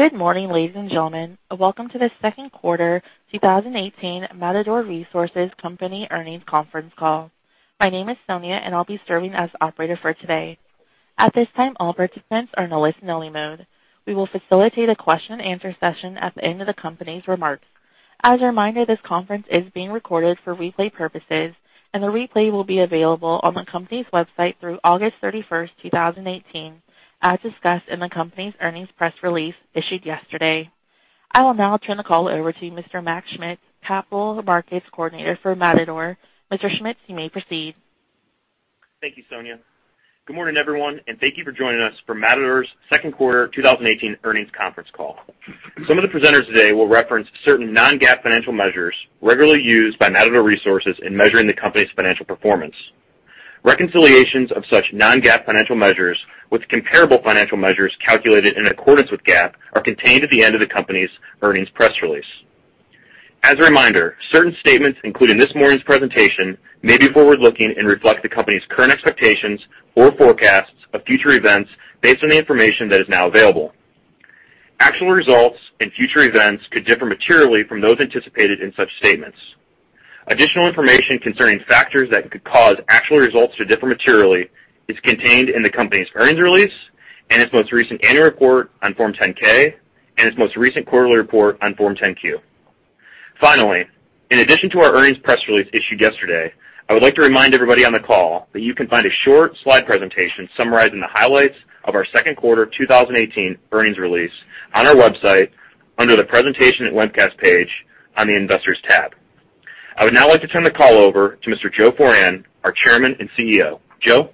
Good morning, ladies and gentlemen. Welcome to the second quarter 2018 Matador Resources Company earnings conference call. My name is Sonia, and I'll be serving as operator for today. At this time, all participants are in a listen-only mode. We will facilitate a question-and-answer session at the end of the company's remarks. As a reminder, this conference is being recorded for replay purposes, and the replay will be available on the company's website through August 31, 2018, as discussed in the company's earnings press release issued yesterday. I will now turn the call over to Mr. Mac Schmitz, Capital Markets Coordinator for Matador. Mr. Schmitz, you may proceed. Thank you, Sonia. Good morning, everyone, and thank you for joining us for Matador's second quarter 2018 earnings conference call. Some of the presenters today will reference certain non-GAAP financial measures regularly used by Matador Resources in measuring the company's financial performance. Reconciliations of such non-GAAP financial measures with comparable financial measures calculated in accordance with GAAP are contained at the end of the company's earnings press release. As a reminder, certain statements included in this morning's presentation may be forward-looking and reflect the company's current expectations or forecasts of future events based on the information that is now available. Actual results and future events could differ materially from those anticipated in such statements. Additional information concerning factors that could cause actual results to differ materially is contained in the company's earnings release and its most recent annual report on Form 10-K and its most recent quarterly report on Form 10-Q. Finally, in addition to our earnings press release issued yesterday, I would like to remind everybody on the call that you can find a short slide presentation summarizing the highlights of our second quarter 2018 earnings release on our website under the Presentation Webcast page on the Investors tab. I would now like to turn the call over to Mr. Joe Foran, our Chairman and CEO. Joe?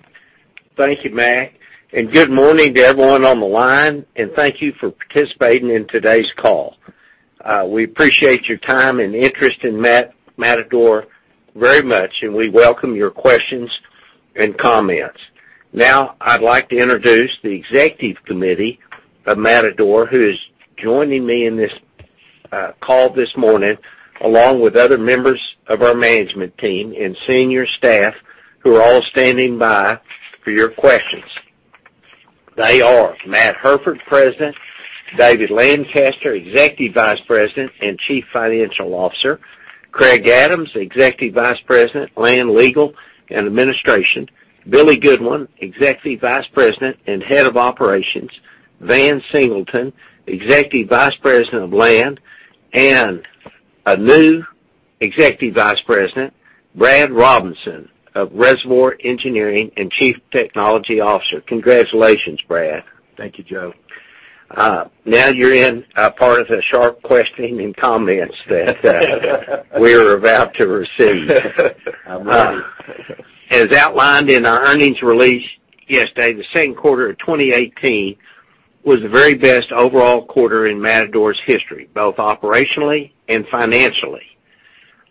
Thank you, Mac, and good morning to everyone on the line, and thank you for participating in today's call. We appreciate your time and interest in Matador very much, and we welcome your questions and comments. Now, I'd like to introduce the executive committee of Matador, who is joining me in this call this morning, along with other members of our management team and senior staff, who are all standing by for your questions. They are Matt Hairford, President, David Lancaster, Executive Vice President and Chief Financial Officer, Craig Adams, Executive Vice President, Land, Legal, and Administration, Billy Goodwin, Executive Vice President and Head of Operations, Van Singleton, Executive Vice President of Land, and a new Executive Vice President, Brad Robinson of Reservoir Engineering and Chief Technology Officer. Congratulations, Brad. Thank you, Joe. You're in part of the sharp questioning and comments that we're about to receive. I'm ready. As outlined in our earnings release yesterday, the second quarter of 2018 was the very best overall quarter in Matador's history, both operationally and financially.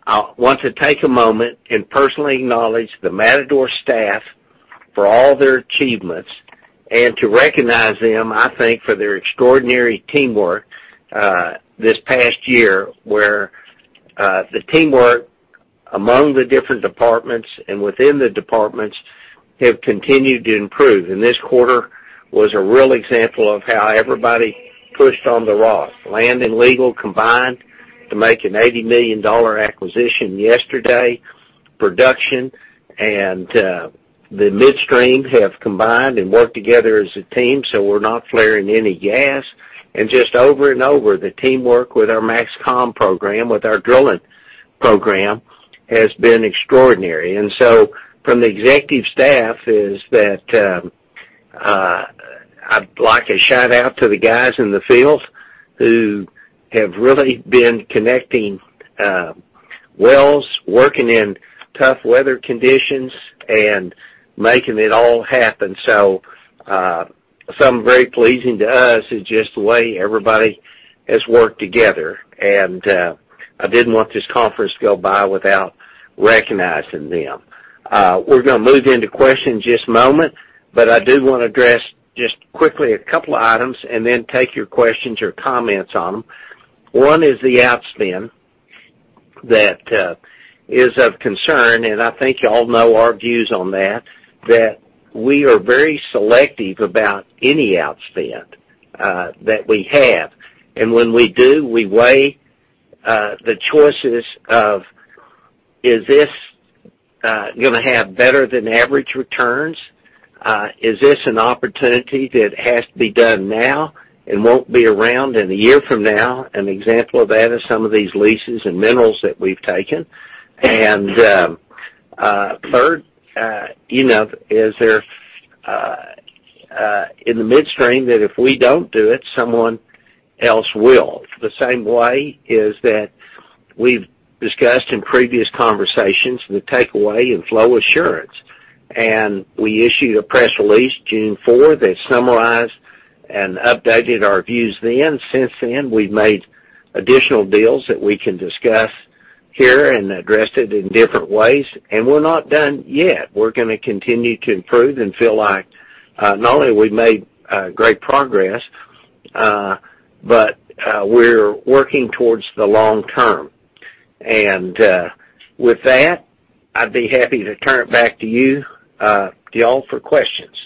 I want to take a moment and personally acknowledge the Matador staff for all their achievements and to recognize them, I think, for their extraordinary teamwork this past year, where the teamwork among the different departments and within the departments have continued to improve. This quarter was a real example of how everybody pushed on the rock. Land and Legal combined to make an $80 million acquisition yesterday. Production and the midstream have combined and worked together as a team, so we're not flaring any gas. Just over and over, the teamwork with our MAXCOM program, with our drilling program, has been extraordinary. From the executive staff, I'd like a shout-out to the guys in the field who have really been connecting wells, working in tough weather conditions, and making it all happen. Something very pleasing to us is just the way everybody has worked together, and I didn't want this conference to go by without recognizing them. We're gonna move into questions in just a moment, but I do wanna address just quickly a couple items and then take your questions or comments on them. One is the outspend that is of concern, and I think you all know our views on that we are very selective about any outspend that we have. When we do, we weigh the choices of, is this gonna have better than average returns? Is this an opportunity that has to be done now and won't be around in a year from now? An example of that is some of these leases and minerals that we've taken. Third, is there in the midstream that if we don't do it, someone else will. The same way is that we've discussed in previous conversations the takeaway in flow assurance. We issued a press release June fourth that summarized and updated our views then. Since then, we've made additional deals that we can discuss here and addressed it in different ways, and we're not done yet. We're gonna continue to improve and feel like not only we've made great progress, but we're working towards the long term. With that, I'd be happy to turn it back to you all for questions.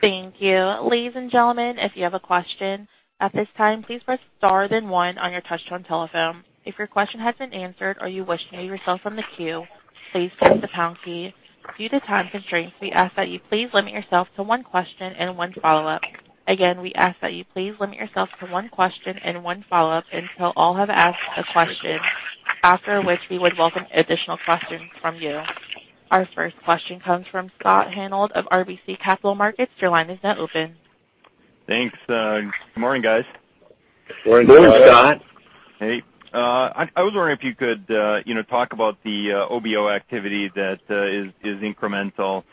Thank you. Ladies and gentlemen, if you have a question at this time, please press star one on your touch-tone telephone. If your question has been answered or you wish to remove yourself from the queue, please press the pound key. Due to time constraints, we ask that you please limit yourself to one question and one follow-up. Again, we ask that you please limit yourself to one question and one follow-up until all have asked a question, after which we would welcome additional questions from you. Our first question comes from Scott Hanold of RBC Capital Markets. Your line is now open. Thanks. Good morning, guys. Morning, Scott. Hey. I was wondering if you could talk about the OBO activity that is incremental.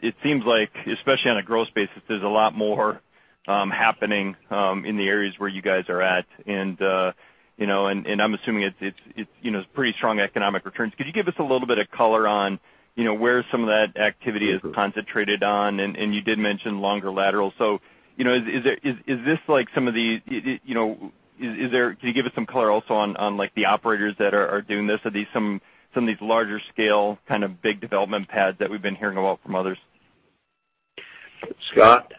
It seems like, especially on a growth basis, there's a lot more happening in the areas where you guys are at, and I'm assuming it's pretty strong economic returns. Could you give us a little bit of color on where some of that activity is concentrated on? You did mention longer laterals. Can you give us some color also on the operators that are doing this? Are these some of these larger scale, big development pads that we've been hearing about from others? Scott,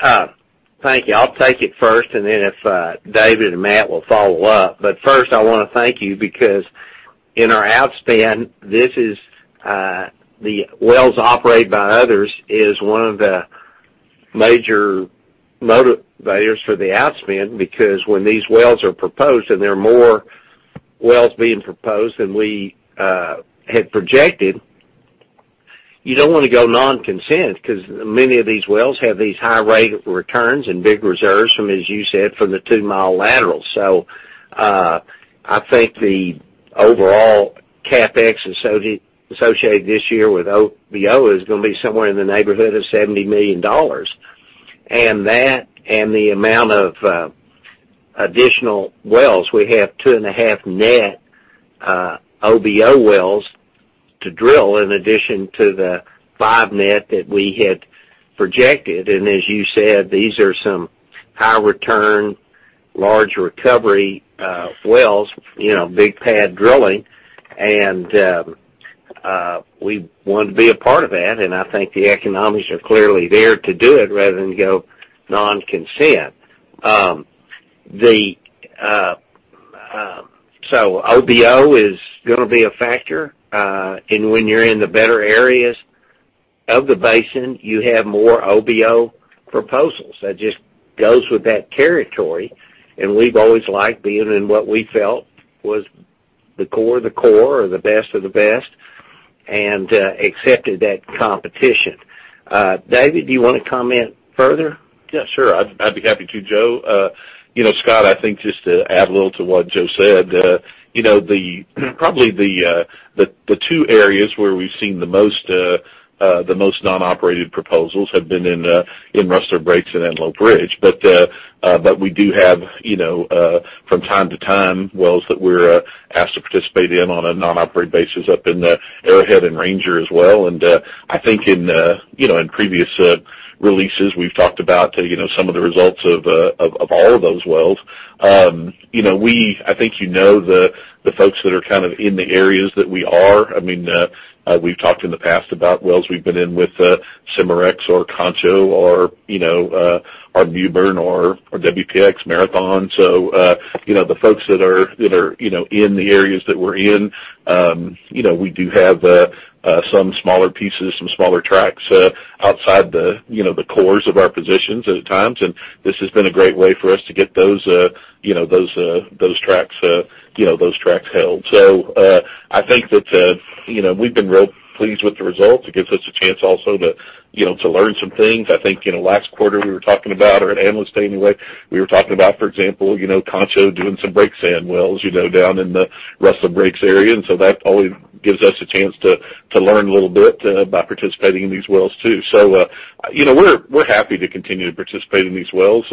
thank you. I'll take it first, and then if David and Matt will follow up. First, I want to thank you because in our outspend, the wells operated by others is one of the major motivators for the outspend, because when these wells are proposed, and there are more wells being proposed than we had projected, you don't want to go non-consent, because many of these wells have these high rate of returns and big reserves from the two-mile laterals. I think the overall CapEx associated this year with OBO is going to be somewhere in the neighborhood of $70 million. That and the amount of additional wells, we have two and a half net OBO wells to drill in addition to the five net that we had projected. As you said, these are some high return, large recovery wells, big pad drilling, and we want to be a part of that, and I think the economics are clearly there to do it rather than go non-consent. OBO is going to be a factor, and when you're in the better areas of the basin, you have more OBO proposals. That just goes with that territory, and we've always liked being in what we felt was the core of the core or the best of the best, and accepted that competition. David, do you want to comment further? Yeah, sure. I'd be happy to, Joe. Scott, I think just to add a little to what Joe said, probably the two areas where we've seen the most non-operated proposals have been in Rustler Breaks and Antelope Ridge. We do have, from time to time, wells that we're asked to participate in on a non-operated basis up in the Arrowhead and Ranger as well, and I think in previous releases, we've talked about some of the results of all of those wells. I think you know the folks that are in the areas that we are. We've talked in the past about wells we've been in with Cimarex or Concho or Mewbourne or WPX, Marathon. The folks that are in the areas that we're in, we do have some smaller pieces, some smaller tracts outside the cores of our positions at times, and this has been a great way for us to get those tracts held. I think that we've been real pleased with the results. It gives us a chance also to learn some things. I think last quarter we were talking about, or at Analyst Day anyway, we were talking about, for example, Concho doing some Break Sand wells down in the Rustler Breaks area. That always gives us a chance to learn a little bit about participating in these wells too. We're happy to continue to participate in these wells.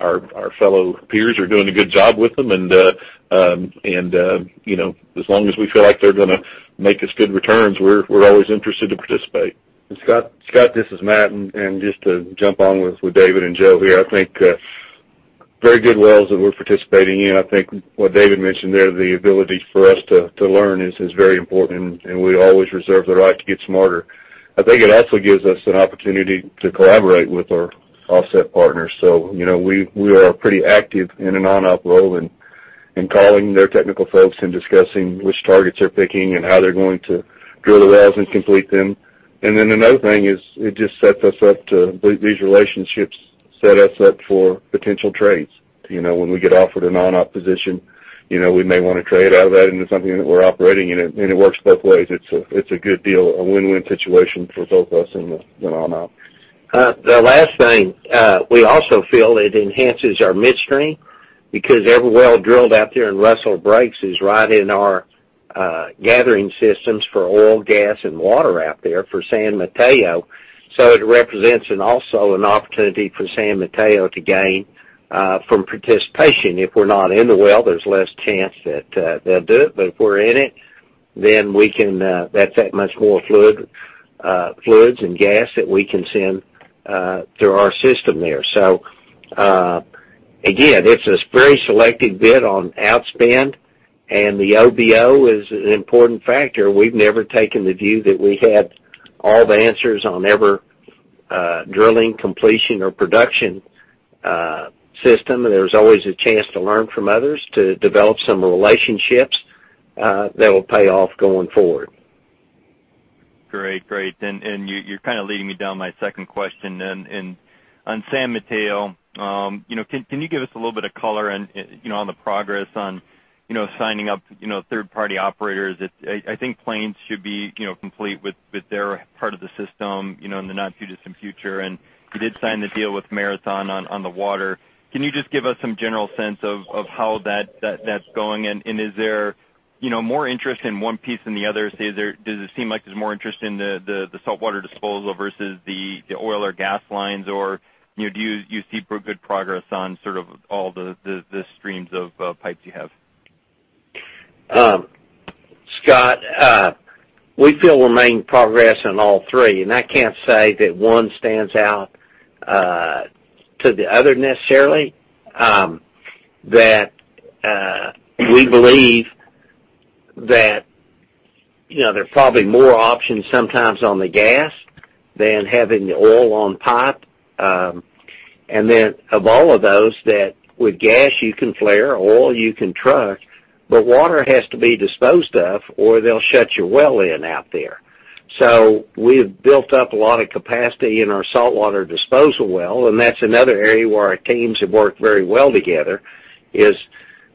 Our fellow peers are doing a good job with them. As long as we feel like they're going to make us good returns, we're always interested to participate. Scott, this is Matt, just to jump on with David and Joe here, I think very good wells that we're participating in. I think what David mentioned there, the ability for us to learn is very important. We always reserve the right to get smarter. I think it also gives us an opportunity to collaborate with our offset partners. We are pretty active in a non-op role in calling their technical folks and discussing which targets they're picking and how they're going to drill the wells and complete them. Another thing is these relationships set us up for potential trades. When we get offered a non-op position, we may want to trade out of that into something that we're operating in. It works both ways. It's a good deal, a win-win situation for both us and the non-op. The last thing, we also feel it enhances our midstream because every well drilled out there in Rustler Breaks is right in our gathering systems for oil, gas, and water out there for San Mateo. It represents also an opportunity for San Mateo to gain from participation. If we're not in the well, there's less chance that they'll do it, but if we're in it, that's that much more fluids and gas that we can send through our system there. Again, it's a very selective bid on outspend, and the OBO is an important factor. We've never taken the view that we had all the answers on every drilling, completion, or production system. There's always a chance to learn from others, to develop some relationships that will pay off going forward. Great. You're kind of leading me down my second question then. On San Mateo, can you give us a little bit of color on the progress on signing up third-party operators? I think Plains should be complete with their part of the system in the not too distant future. You did sign the deal with Marathon on the water. Can you just give us some general sense of how that's going, and is there more interest in one piece than the other? Does it seem like there's more interest in the saltwater disposal versus the oil or gas lines, or do you see good progress on sort of all the streams of pipes you have? Scott, we feel we're making progress on all three. I can't say that one stands out to the other necessarily. That we believe that there are probably more options sometimes on the gas than having the oil on pipe. Of all of those, that with gas you can flare, oil you can truck, but water has to be disposed of, or they'll shut your well in out there. We've built up a lot of capacity in our saltwater disposal well, and that's another area where our teams have worked very well together, is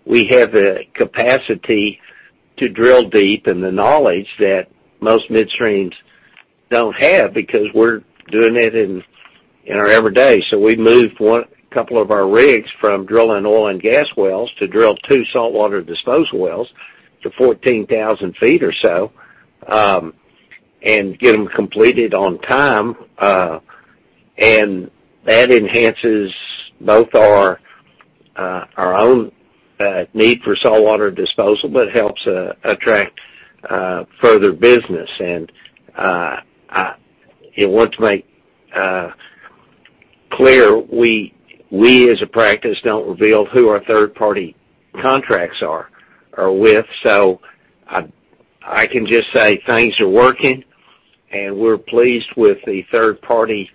we have the capacity to drill deep and the knowledge that most midstreams don't have, because we're doing it in our every day. We've moved a couple of our rigs from drilling oil and gas wells to drill 2 saltwater disposal wells to 14,000 feet or so, and get them completed on time. That enhances both our own need for saltwater disposal, but helps attract further business. I want to make clear, we, as a practice, don't reveal who our third-party contracts are with, I can just say things are working, we're pleased with the third-party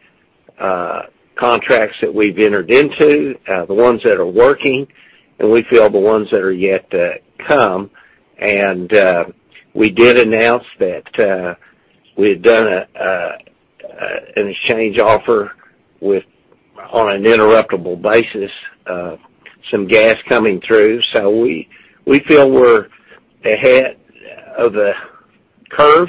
contracts that we've entered into, the ones that are working, and we feel the ones that are yet to come. We did announce that we had done an exchange offer on an interruptible basis of some gas coming through. We feel we are ahead of the curve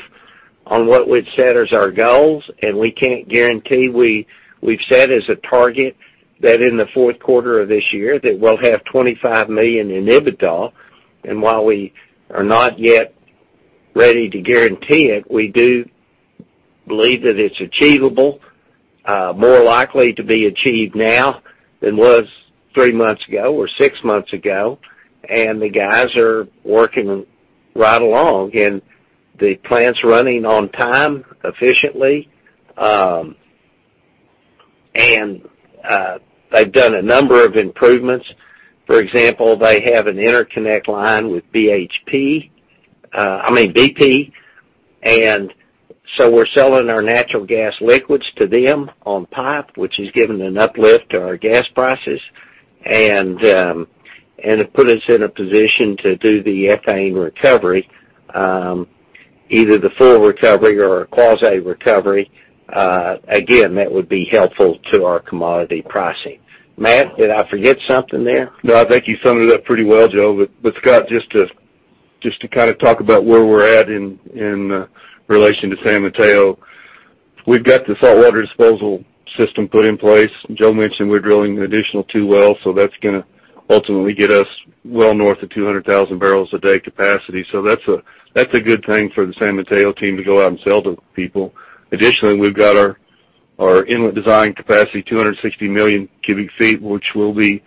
on what we had set as our goals, and we can't guarantee we have set as a target that in the fourth quarter of this year that we will have $25 million in EBITDA. While we are not yet ready to guarantee it, we do believe that it is achievable, more likely to be achieved now than was three months ago or six months ago. The guys are working right along, and the plant is running on time efficiently. They have done a number of improvements. For example, they have an interconnect line with BP. I mean BP. We are selling our natural gas liquids to them on pipe, which has given an uplift to our gas prices, and it put us in a position to do the ethane recovery, either the full recovery or a quasi-recovery. Again, that would be helpful to our commodity pricing. Matt, did I forget something there? No, I think you summed it up pretty well, Joe. Scott, just to kind of talk about where we are at in relation to San Mateo, we have got the saltwater disposal system put in place. Joe mentioned we are drilling an additional two wells, that is going to ultimately get us well north of 200,000 barrels a day capacity. That is a good thing for the San Mateo team to go out and sell to people. Additionally, we have got our inlet design capacity, 260 million cubic feet, which will be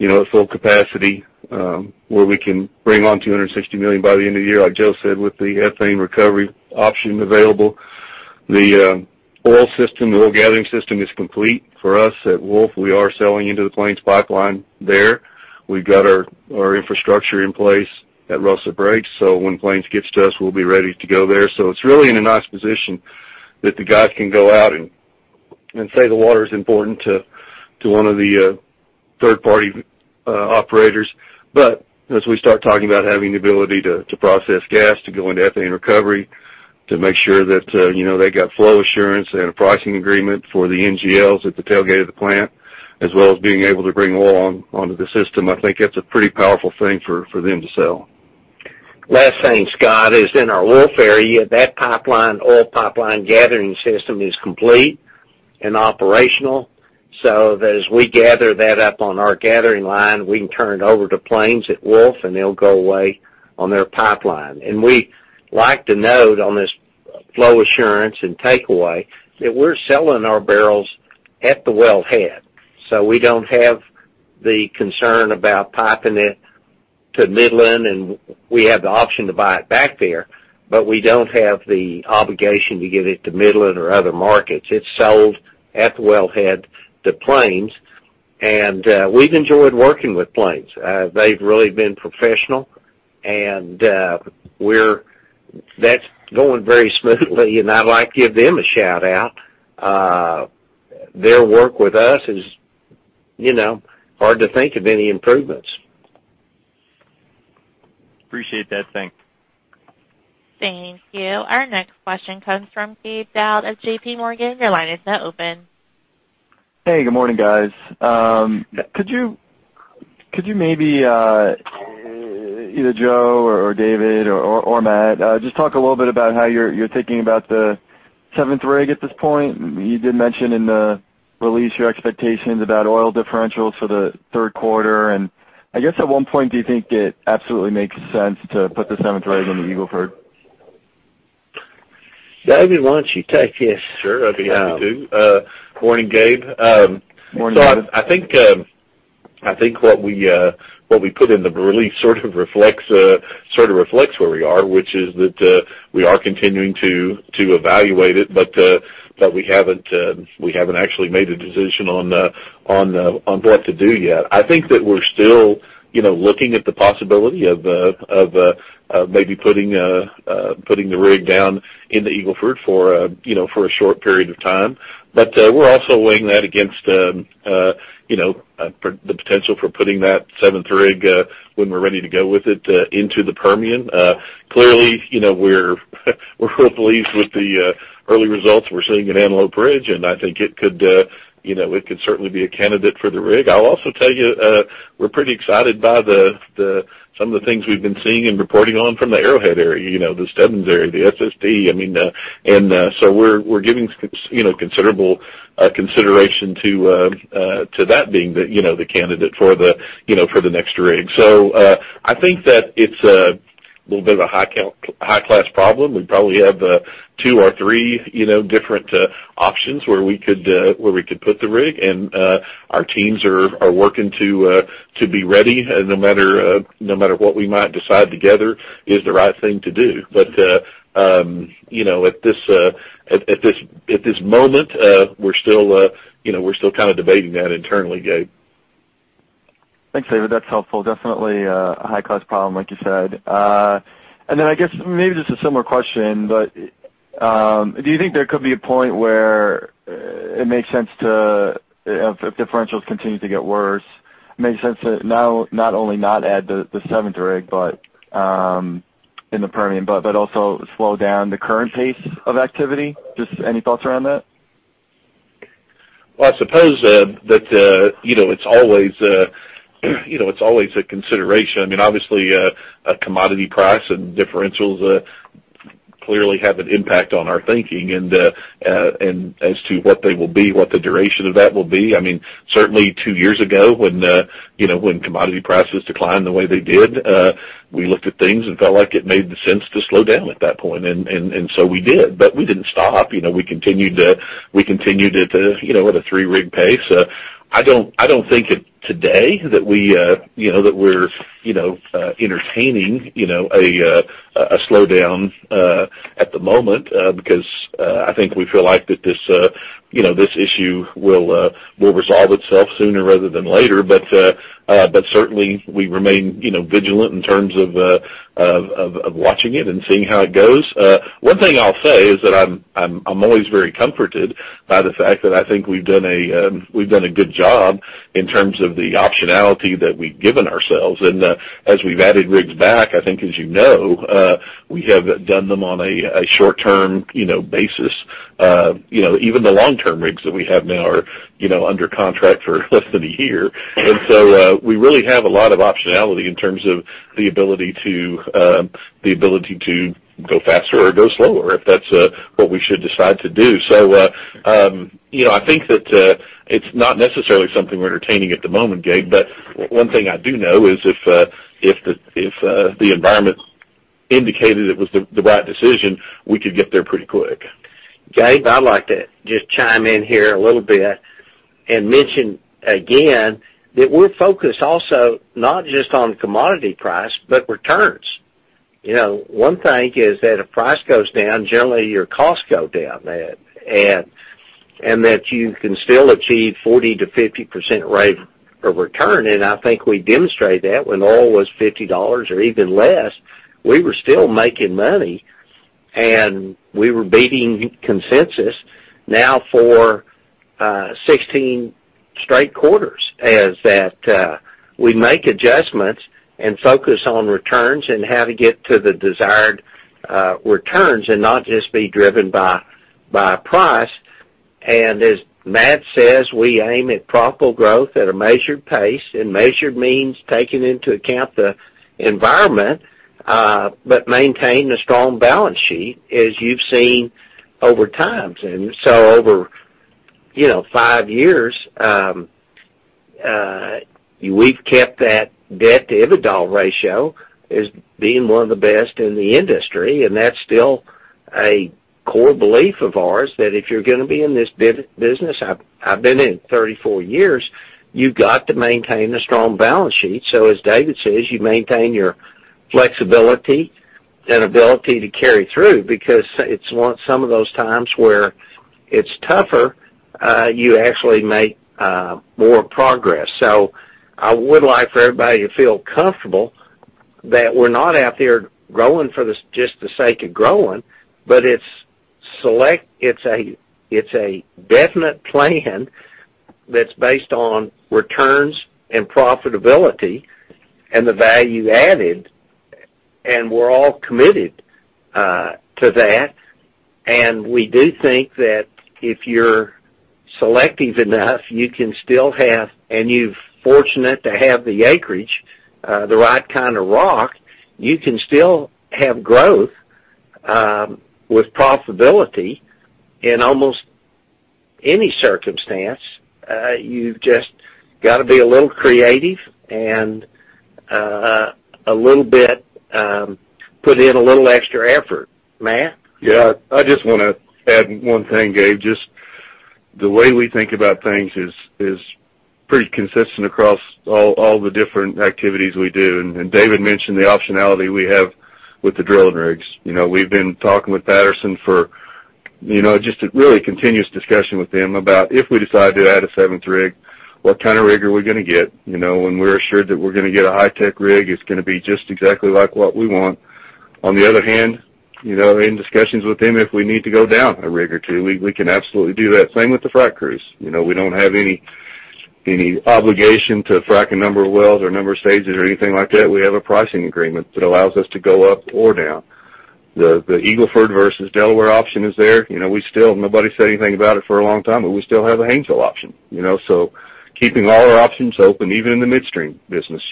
at full capacity, where we can bring on 260 million by the end of the year. Like Joe said, with the ethane recovery option available. The oil gathering system is complete for us at Wolfcamp. We are selling into the Plains pipeline there. We have got our infrastructure in place at Rustler Breaks. When Plains gets to us, we will be ready to go there. It is really in a nice position that the guys can go out and say the water is important to one of the third-party operators. As we start talking about having the ability to process gas, to go into ethane recovery, to make sure that they got flow assurance and a pricing agreement for the NGLs at the tailgate of the plant, as well as being able to bring oil onto the system, I think that is a pretty powerful thing for them to sell. Last thing, Scott, is in our Wolf area, that oil pipeline gathering system is complete and operational, so that as we gather that up on our gathering line, we can turn it over to Plains at Wolf and they'll go away on their pipeline. We like to note on this flow assurance and takeaway, that we're selling our barrels at the wellhead. We don't have the concern about piping it to Midland, and we have the option to buy it back there, but we don't have the obligation to give it to Midland or other markets. It's sold at the wellhead to Plains, and we've enjoyed working with Plains. They've really been professional, and that's going very smoothly, and I'd like to give them a shout-out. Their work with us is hard to think of any improvements. Appreciate that. Thanks. Thank you. Our next question comes from Gabe Daoud at JPMorgan. Your line is now open. Hey, good morning, guys. Could you maybe, either Joe or David or Matt, just talk a little bit about how you're thinking about the seventh rig at this point. You did mention in the release your expectations about oil differentials for the third quarter, I guess at what point do you think it absolutely makes sense to put the seventh rig in the Eagle Ford? David, why don't you take this? Sure, I'd be happy to. Morning, Gabe. Morning. I think what we put in the release sort of reflects where we are, which is that we are continuing to evaluate it, but we haven't actually made a decision on what to do yet. I think that we're still looking at the possibility of maybe putting the rig down in the Eagle Ford for a short period of time. We're also weighing that against the potential for putting that seventh rig, when we're ready to go with it, into the Permian. Clearly, we're pleased with the early results we're seeing at Antelope Ridge, and I think it could certainly be a candidate for the rig. I'll also tell you, we're pretty excited by some of the things we've been seeing and reporting on from the Arrowhead area, the Stebbins area, the FST. We're giving considerable consideration to that being the candidate for the next rig. I think that it's a little bit of a high-class problem. We probably have two or three different options where we could put the rig, and our teams are working to be ready no matter what we might decide together is the right thing to do. At this moment, we're still kind of debating that internally, Gabe. Thanks, David. That's helpful. Definitely a high-class problem, like you said. I guess maybe just a similar question, but do you think there could be a point where it makes sense to, if differentials continue to get worse, it makes sense to not only not add the seventh rig in the Permian, but also slow down the current pace of activity? Just any thoughts around that? Well, I suppose that it's always a consideration. Obviously, commodity price and differentials clearly have an impact on our thinking, and as to what they will be, what the duration of that will be. Certainly two years ago, when commodity prices declined the way they did, we looked at things and felt like it made the sense to slow down at that point, we did. We didn't stop. We continued at a three-rig pace. I don't think today that we're entertaining a slowdown at the moment, because I think we feel like this issue will resolve itself sooner rather than later. Certainly, we remain vigilant in terms of watching it and seeing how it goes. One thing I'll say is that I'm always very comforted by the fact that I think we've done a good job in terms of the optionality that we've given ourselves. As we've added rigs back, I think as you know, we have done them on a short-term basis. Even the long-term rigs that we have now are under contract for less than a year. We really have a lot of optionality in terms of the ability to go faster or go slower if that's what we should decide to do. I think that it's not necessarily something we're entertaining at the moment, Gabe, one thing I do know is if the environment indicated it was the right decision, we could get there pretty quick. Gabe, I'd like to just chime in here a little bit and mention again that we're focused also not just on commodity price, but returns. One thing is that if price goes down, generally your costs go down, and that you can still achieve 40%-50% rate of return, and I think we demonstrated that when oil was $50 or even less. We were still making money, and we were beating consensus now for 16 straight quarters. As that we make adjustments and focus on returns and how to get to the desired returns and not just be driven by price. As Matt says, we aim at profitable growth at a measured pace, and measured means taking into account the environment, maintain a strong balance sheet, as you've seen over time. Over five years we've kept that debt to EBITDA ratio as being one of the best in the industry, and that's still a core belief of ours, that if you're going to be in this business, I've been in it 34 years, you've got to maintain a strong balance sheet. So as David says, you maintain your flexibility and ability to carry through, because it's some of those times where it's tougher, you actually make more progress. So I would like for everybody to feel comfortable that we're not out there growing for just the sake of growing, but it's a definite plan that's based on returns and profitability and the value added, and we're all committed to that. We do think that if you're selective enough, you can still have, and you're fortunate to have the acreage, the right kind of rock, you can still have growth, with profitability in almost any circumstance. You've just got to be a little creative and put in a little extra effort. Matt? Yeah, I just want to add one thing, Gabe. Just the way we think about things is pretty consistent across all the different activities we do. David mentioned the optionality we have with the drilling rigs. We've been talking with Patterson-UTI for just a really continuous discussion with them about if we decide to add a seventh rig, what kind of rig are we going to get? When we're assured that we're going to get a high-tech rig, it's going to be just exactly like what we want. On the other hand, in discussions with them, if we need to go down a rig or two, we can absolutely do that. Same with the frac crews. We don't have any obligation to frac a number of wells or a number of stages or anything like that. We have a pricing agreement that allows us to go up or down. The Eagle Ford versus Delaware option is there. Nobody said anything about it for a long time, but we still have a Haynesville option. So keeping all our options open, even in the midstream business.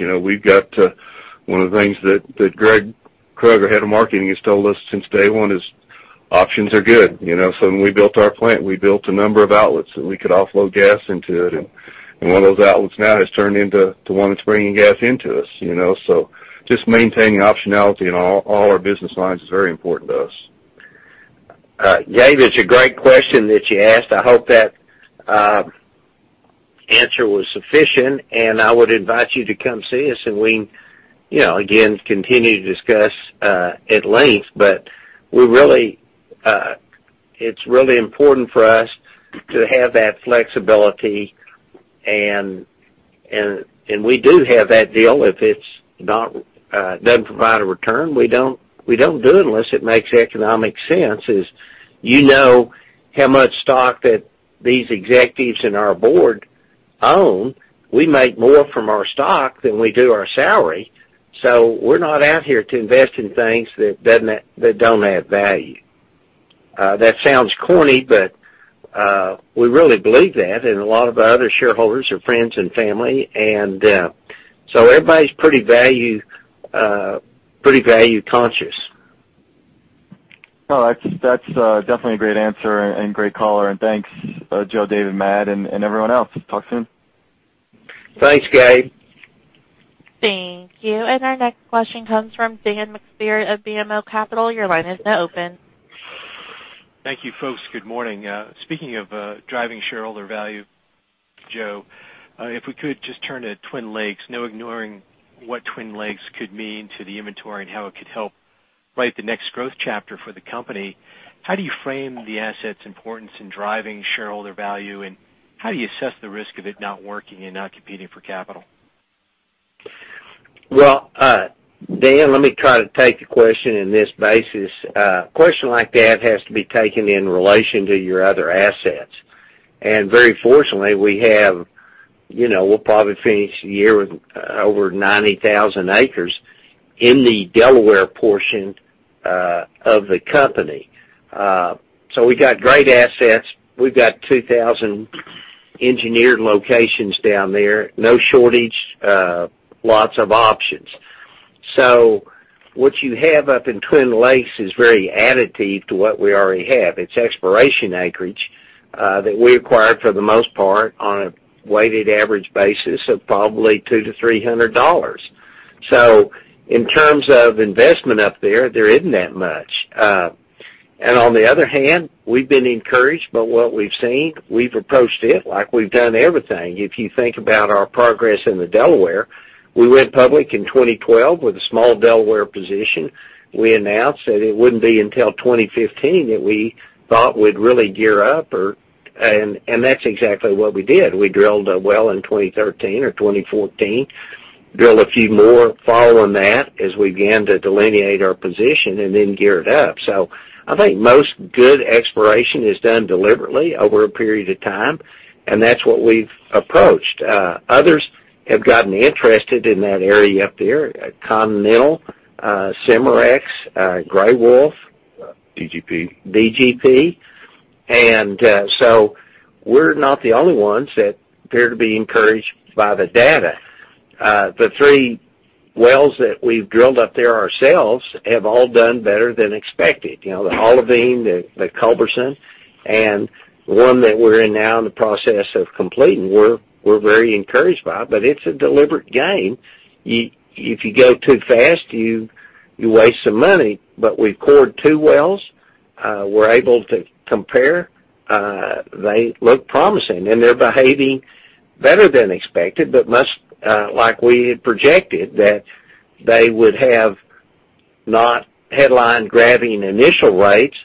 One of the things that Gregg Krug, head of marketing, has told us since day one is, options are good. So when we built our plant, we built a number of outlets that we could offload gas into it, and one of those outlets now has turned into the one that's bringing gas into us. So just maintaining optionality in all our business lines is very important to us. Gabe, it's a great question that you asked. I hope that answer was sufficient. I would invite you to come see us, we can, again, continue to discuss at length. It's really important for us to have that flexibility, we do have that deal. If it doesn't provide a return, we don't do it unless it makes economic sense. As you know how much stock that these executives in our board own, we make more from our stock than we do our salary. We're not out here to invest in things that don't add value. That sounds corny, we really believe that. A lot of our other shareholders are friends and family, everybody's pretty value conscious. That's definitely a great answer and great color. Thanks, Joe, David, Matt, and everyone else. Talk soon. Thanks, Gabe. Thank you. Our next question comes from Dan McSpirit of BMO Capital. Your line is now open. Thank you, folks. Good morning. Speaking of driving shareholder value, Joe, if we could just turn to Twin Lakes. No ignoring what Twin Lakes could mean to the inventory and how it could help write the next growth chapter for the company. How do you frame the asset's importance in driving shareholder value, and how do you assess the risk of it not working and outcompeting for capital? Well, Dan, let me try to take your question in this basis. A question like that has to be taken in relation to your other assets. Very fortunately, we'll probably finish the year with over 90,000 acres in the Delaware portion of the company. We've got great assets. We've got 2,000 engineered locations down there, no shortage, lots of options. What you have up in Twin Lakes is very additive to what we already have. It's exploration acreage that we acquired for the most part on a weighted average basis of probably $200-$300. In terms of investment up there isn't that much. On the other hand, we've been encouraged by what we've seen. We've approached it like we've done everything. If you think about our progress in the Delaware, we went public in 2012 with a small Delaware position. We announced that it wouldn't be until 2015 that we thought we'd really gear up, that's exactly what we did. We drilled a well in 2013 or 2014, drilled a few more following that as we began to delineate our position, then geared up. I think most good exploration is done deliberately over a period of time, that's what we've approached. Others have gotten interested in that area up there, Continental, Cimarex, Greywolf. DCP. DCP. We're not the only ones that appear to be encouraged by the data. The three wells that we've drilled up there ourselves have all done better than expected. The Olivine, the Culberson, one that we're in now in the process of completing, we're very encouraged by, it's a deliberate game. If you go too fast, you waste some money. We've cored two wells. We're able to compare. They look promising, they're behaving better than expected, much like we had projected, that they would have not headline-grabbing initial rates,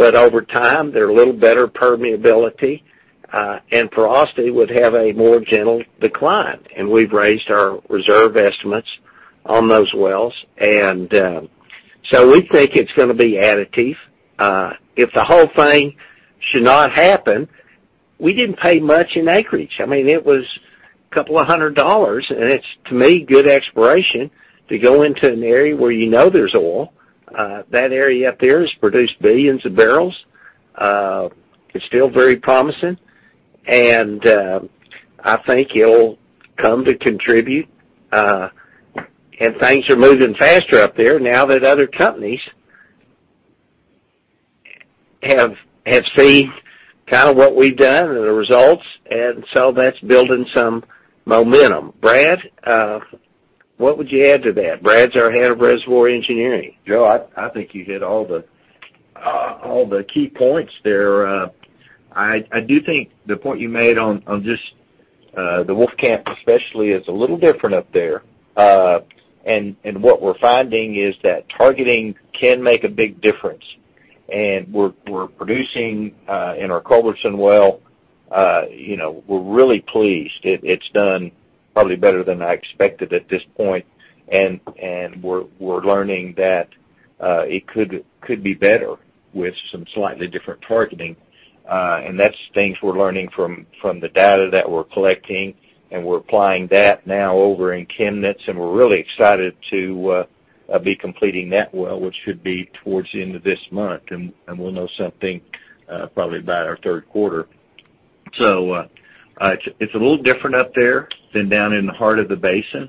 over time, their little better permeability, porosity would have a more gentle decline. We've raised our reserve estimates on those wells. We think it's going to be additive. If the whole thing should not happen, we didn't pay much in acreage. It was a couple of hundred dollars, and it's, to me, good exploration to go into an area where you know there's oil. That area up there has produced billions of barrels. It's still very promising. I think it'll come to contribute. Things are moving faster up there now that other companies have seen kind of what we've done and the results, that's building some momentum. Brad, what would you add to that? Brad's our Head of Reservoir Engineering. Joe, I think you hit all the key points there. I do think the point you made on just the Wolfcamp especially is a little different up there. What we're finding is that targeting can make a big difference. We're producing, in our Culberson well, we're really pleased. It's done probably better than I expected at this point, we're learning that it could be better with some slightly different targeting. That's things we're learning from the data that we're collecting, we're applying that now over in Kimmins, we're really excited to be completing that well, which should be towards the end of this month. We'll know something probably by our third quarter. It's a little different up there than down in the heart of the basin.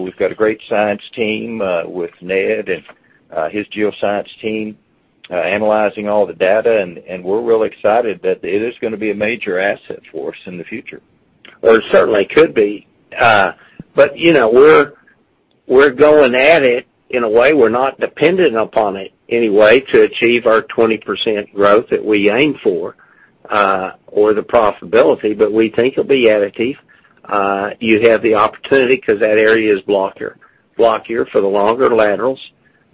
We've got a great science team, with Ned and his Geoscience team analyzing all the data, we're real excited that it is gonna be a major asset for us in the future. Well, it certainly could be. We're going at it in a way we're not dependent upon it anyway to achieve our 20% growth that we aim for, or the profitability, we think it'll be additive. You have the opportunity because that area is blockier for the longer laterals.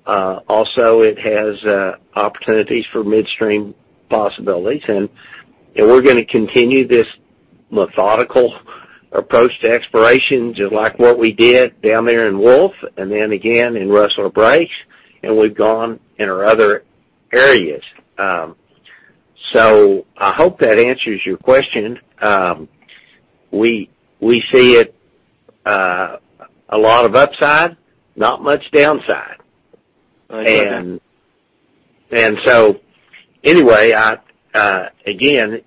It has opportunities for midstream possibilities, we're gonna continue this methodical approach to exploration, just like what we did down there in Wolfcamp and then again in Rustler Breaks, we've gone in our other areas. I hope that answers your question. We see it a lot of upside, not much downside. Okay. Anyway, again,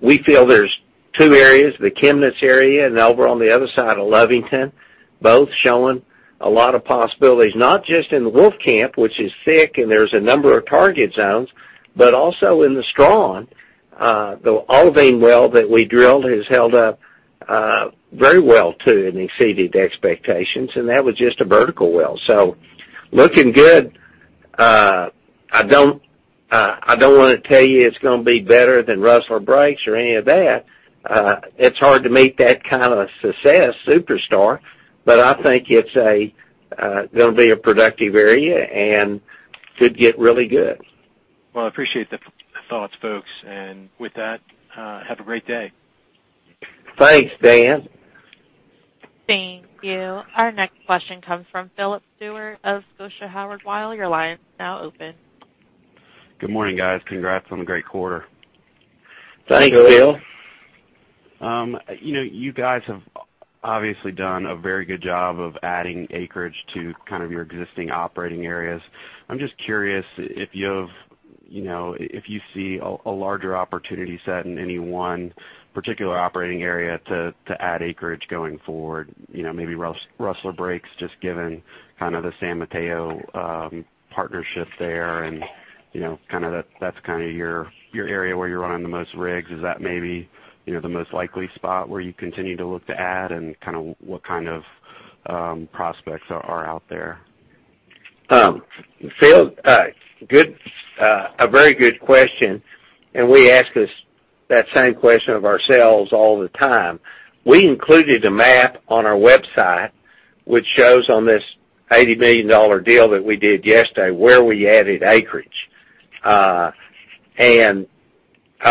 we feel there's two areas, the Kimmins area and over on the other side of Lovington, both showing a lot of possibilities. Not just in Wolfcamp, which is thick, and there's a number of target zones, but also in the Strawn. The Olivine well that we drilled has held up very well too and exceeded expectations, and that was just a vertical well. Looking good. I don't want to tell you it's gonna be better than Rustler Breaks or any of that. It's hard to meet that kind of success superstar, but I think it's gonna be a productive area and could get really good. Well, I appreciate the thoughts, folks. With that, have a great day. Thanks, Dan. Thank you. Our next question comes from Philip Stewart of Scotiabank. Your line is now open. Good morning, guys. Congrats on a great quarter. Thanks, Phil. You guys have obviously done a very good job of adding acreage to your existing operating areas. I'm just curious if you see a larger opportunity set in any one particular operating area to add acreage going forward. Maybe Rustler Breaks, just given the San Mateo partnership there and that's your area where you're running the most rigs. Is that maybe the most likely spot where you continue to look to add, and what kind of prospects are out there? Phil, a very good question. We ask that same question of ourselves all the time. We included a map on our website, which shows on this $80 million deal that we did yesterday, where we added acreage. I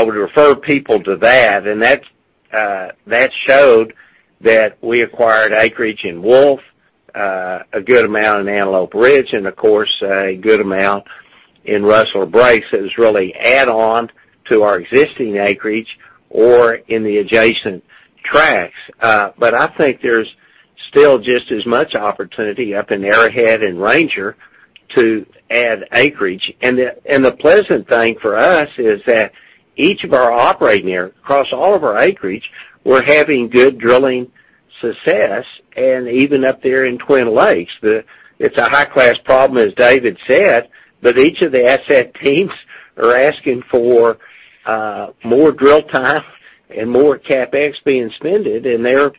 would refer people to that, and that showed that we acquired acreage in Wolf, a good amount in Antelope Ridge, and of course, a good amount in Rustler Breaks that was really add-on to our existing acreage or in the adjacent tracts. I think there's still just as much opportunity up in Arrowhead and Ranger to add acreage. The pleasant thing for us is that each of our operating areas, across all of our acreage, we're having good drilling success, and even up there in Twin Lakes. It's a high-class problem, as David said, but each of the asset teams are asking for more drill time and more CapEx being spent, and they're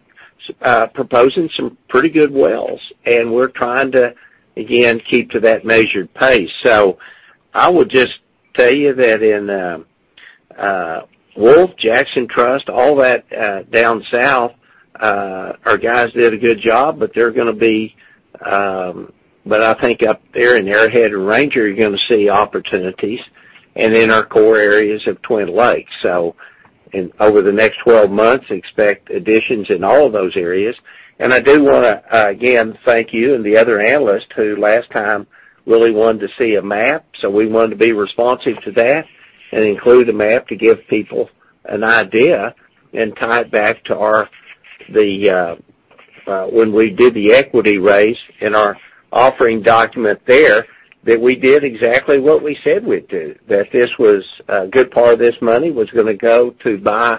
proposing some pretty good wells. We're trying to, again, keep to that measured pace. I would just tell you that in Wolf, Jackson Trust, all that down south, our guys did a good job, but I think up there in Arrowhead and Ranger, you're going to see opportunities, and in our core areas of Twin Lakes. Over the next 12 months, expect additions in all of those areas. I do want to, again, thank you and the other analysts who last time really wanted to see a map. We wanted to be responsive to that and include the map to give people an idea and tie it back to when we did the equity raise in our offering document there, that we did exactly what we said we'd do. That a good part of this money was going to go to buy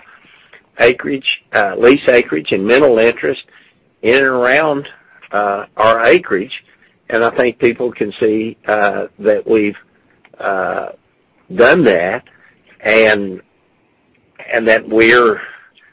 lease acreage and mineral interest in and around our acreage. I think people can see that we've done that, and that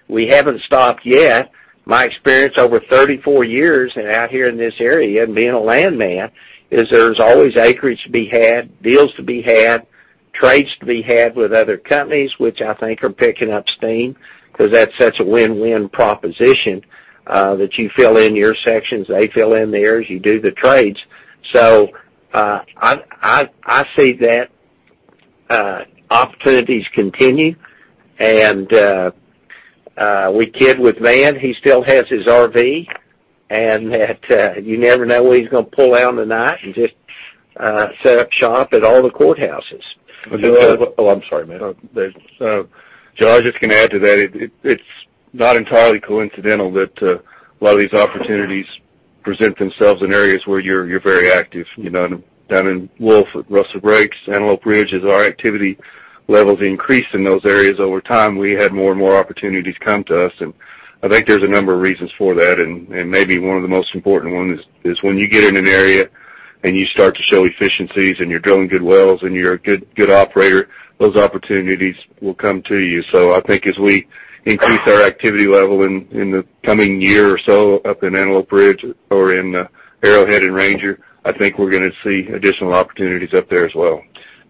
we haven't stopped yet. My experience over 34 years out here in this area and being a landman is there's always acreage to be had, deals to be had, trades to be had with other companies, which I think are picking up steam, because that's such a win-win proposition that you fill in your sections, they fill in theirs, you do the trades. I see that opportunities continue, and we kid with Van, he still has his RV, and that you never know where he's going to pull out tonight and just set up shop at all the courthouses. Oh, I'm sorry, Matt. Joe, I was just going to add to that. It's not entirely coincidental that a lot of these opportunities present themselves in areas where you're very active. Down in Wolfcamp at Rustler Breaks, Antelope Ridge, as our activity levels increased in those areas over time, we had more and more opportunities come to us, I think there's a number of reasons for that. Maybe one of the most important one is when you get in an area and you start to show efficiencies and you're drilling good wells and you're a good operator, those opportunities will come to you. I think as we increase our activity level in the coming year or so up in Antelope Ridge or in Arrowhead and Ranger, I think we're going to see additional opportunities up there as well.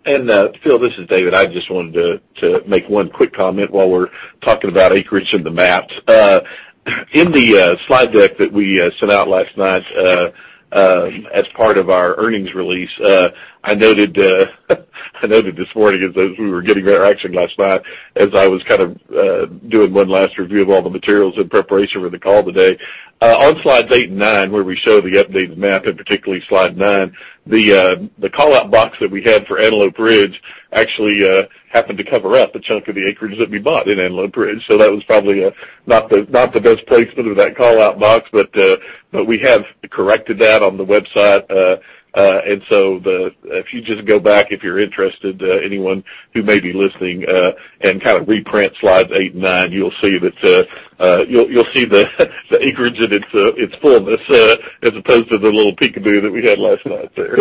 Philip, this is David. I just wanted to make one quick comment while we're talking about acreage and the maps. In the slide deck that we sent out last night as part of our earnings release, I noted this morning as we were getting ready actually last night, as I was doing one last review of all the materials in preparation for the call today. On slides eight and nine, where we show the updated map, particularly slide nine, the callout box that we had for Antelope Ridge actually happened to cover up a chunk of the acreage that we bought in Antelope Ridge. That was probably not the best placement of that callout box, but we have corrected that on the website. If you just go back, if you're interested, anyone who may be listening, and reprint slides eight and nine, you'll see the acreage in its fullness, as opposed to the little peekaboo that we had last night there.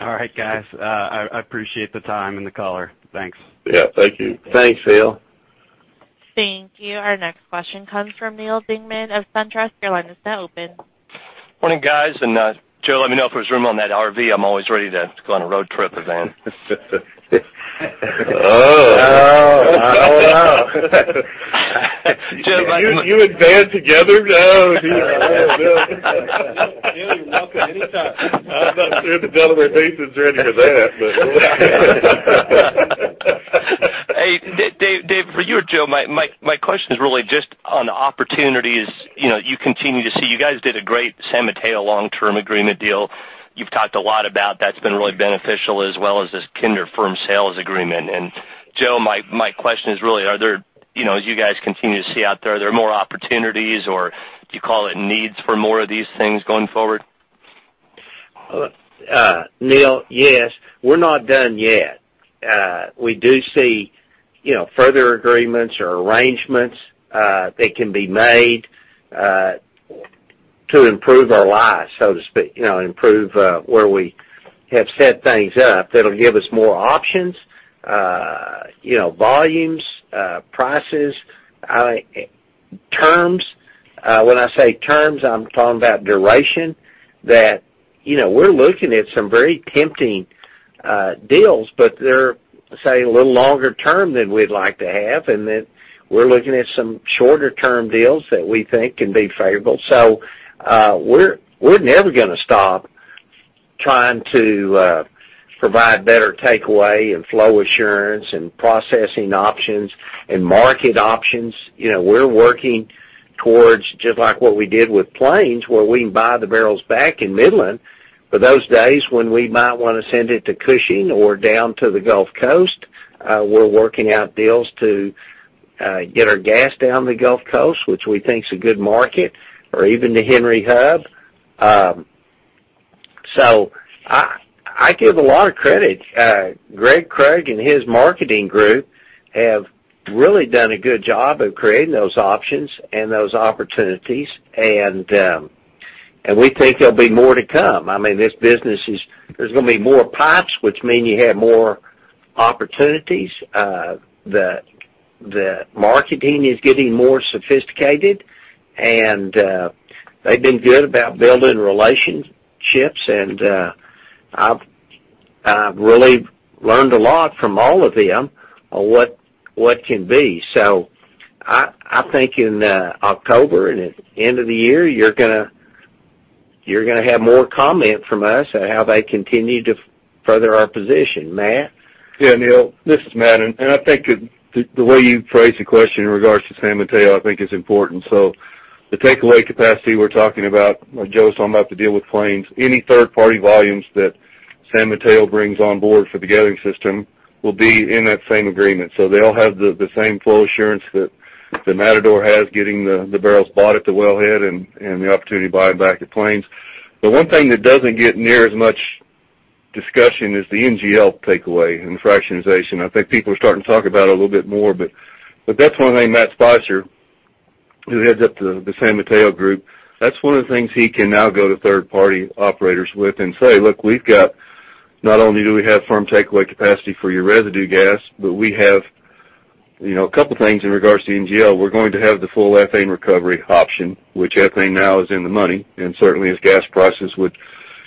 All right, guys. I appreciate the time and the color. Thanks. Yeah, thank you. Thanks, Phil. Thank you. Our next question comes from Neal Dingmann of SunTrust. Your line is now open. Morning, guys, Joe, let me know if there's room on that RV. I'm always ready to go on a road trip with Van. Oh. Oh. You and Van together? No. Phil, you're welcome anytime. I'm not sure the Delaware Basin's ready for that, but Hey, Dave, for you or Joe, my question is really just on opportunities you continue to see. You guys did a great San Mateo long-term agreement deal. You've talked a lot about that's been really beneficial, as well as this Kinder Firm sales agreement. Joe, my question is really, as you guys continue to see out there, are there more opportunities, or do you call it needs for more of these things going forward? Neal, yes. We're not done yet. We do see further agreements or arrangements that can be made to improve our lot, so to speak, improve where we have set things up that will give us more options, volumes, prices, terms. When I say terms, I'm talking about duration, that we're looking at some very tempting deals, but they're, say, a little longer term than we'd like to have, and that we're looking at some shorter term deals that we think can be favorable. We're never going to stop trying to provide better takeaway and flow assurance and processing options and market options. We're working towards just like what we did with Plains, where we can buy the barrels back in Midland for those days when we might want to send it to Cushing or down to the Gulf Coast. We're working out deals to get our gas down the Gulf Coast, which we think is a good market, or even the Henry Hub. I give a lot of credit. Gregg Krug and his marketing group have really done a good job of creating those options and those opportunities, and we think there will be more to come. There's going to be more pipes, which mean you have more opportunities. The marketing is getting more sophisticated, and they've been good about building relationships, and I've really learned a lot from all of them on what can be. I think in October and at the end of the year, you're going to have more comment from us on how they continue to further our position. Matt? Neal, this is Matt, and I think the way you phrase the question in regards to San Mateo, I think it's important. The takeaway capacity we're talking about, Joe was talking about the deal with Plains. Any third-party volumes that San Mateo brings on board for the gathering system will be in that same agreement. They all have the same flow assurance that Matador has, getting the barrels bought at the wellhead and the opportunity to buy them back at Plains. The one thing that doesn't get near as much discussion is the NGL takeaway and the fractionization. I think people are starting to talk about it a little bit more, but that's one thing Matt Spicer, who heads up the San Mateo group, that's one of the things he can now go to third-party operators with and say, "Look, not only do we have firm takeaway capacity for your residue gas, but we have a couple things in regards to the NGL. We're going to have the full ethane recovery option," which ethane now is in the money, and certainly as gas prices would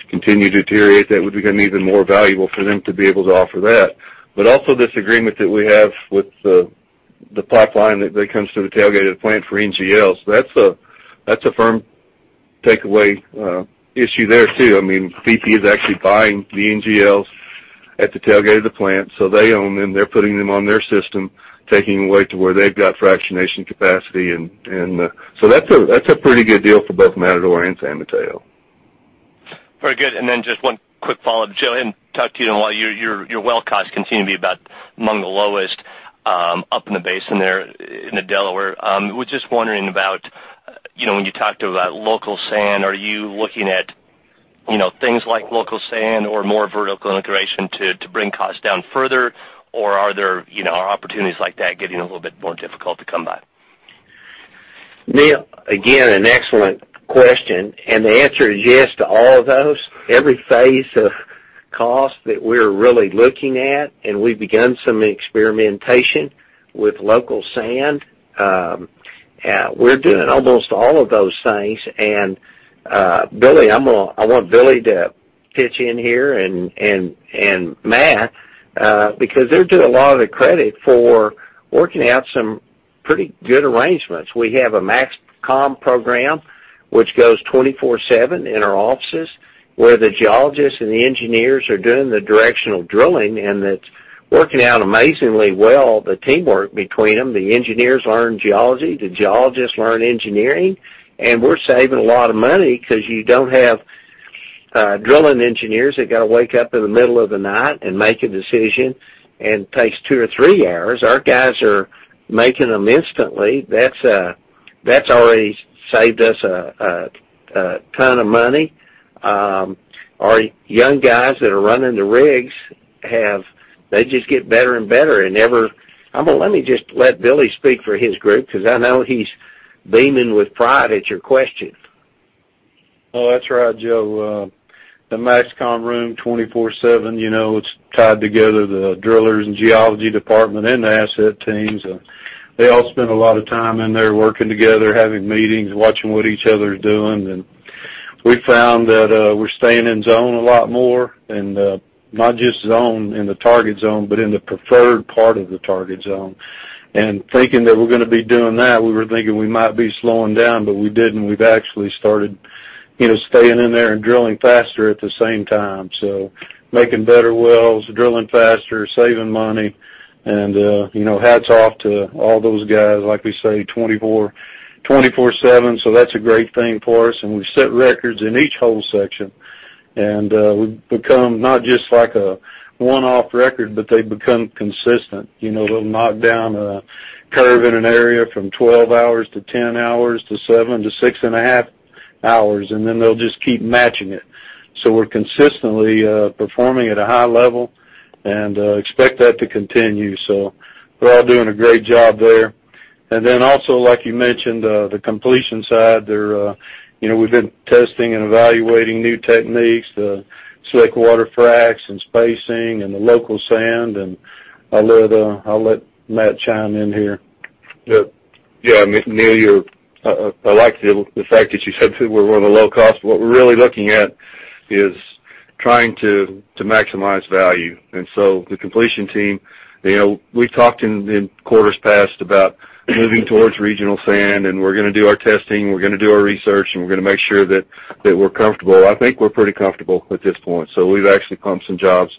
continue to deteriorate, that would become even more valuable for them to be able to offer that. This agreement that we have with the pipeline that comes to the tailgate of the plant for NGLs, that's a firm takeaway issue there, too. BP is actually buying the NGLs at the tailgate of the plant, so they own them. They're putting them on their system, taking them away to where they've got fractionation capacity. That's a pretty good deal for both Matador and San Mateo. Very good. Then just one quick follow-up, Joe, talk to you on why your well costs continue to be about among the lowest up in the basin there in the Delaware. Was just wondering about when you talked about local sand, are you looking at things like local sand or more vertical integration to bring costs down further, or are opportunities like that getting a little bit more difficult to come by? Neal, again, an excellent question. The answer is yes to all of those. Every phase of cost that we're really looking at, we've begun some experimentation with local sand. We're doing almost all of those things. Billy, I want Billy to pitch in here, Matt, because they're due a lot of the credit for working out some pretty good arrangements. We have a MAXCOM program which goes 24/7 in our offices, where the geologists and the engineers are doing the directional drilling, that's working out amazingly well, the teamwork between them. The engineers learn geology, the geologists learn engineering, we're saving a lot of money because you don't have drilling engineers that got to wake up in the middle of the night and make a decision and takes two to three hours. Our guys are making them instantly. That's already saved us a ton of money. Our young guys that are running the rigs, they just get better and better. Let me just let Billy speak for his group because I know he's beaming with pride at your question. Oh, that's right, Joe. The MAXCOM room, 24/7, it's tied together the drillers and geology department and the asset teams. They all spend a lot of time in there working together, having meetings, watching what each other's doing, we found that we're staying in zone a lot more. Not just zone in the target zone, but in the preferred part of the target zone. Thinking that we're going to be doing that, we were thinking we might be slowing down, but we didn't. We've actually started staying in there and drilling faster at the same time. Making better wells, drilling faster, saving money, and hats off to all those guys, like we say, 24/7. That's a great thing for us, and we set records in each hole section, and we've become not just like a one-off record, but they've become consistent. They'll knock down a curve in an area from 12 hours to 10 hours to 7 to 6.5 hours, then they'll just keep matching it. We're consistently performing at a high level and expect that to continue. They're all doing a great job there. Then also, like you mentioned, the completion side. We've been testing and evaluating new techniques, the slick water fracs and spacing and the local sand, and I'll let Matt chime in here. Yep. Yeah, Neal, I like the fact that you said too we're running low cost. What we're really looking at is trying to maximize value. The completion team, we've talked in quarters past about moving towards regional sand, and we're going to do our testing, we're going to do our research, and we're going to make sure that we're comfortable. I think we're pretty comfortable at this point. We've actually pumped some jobs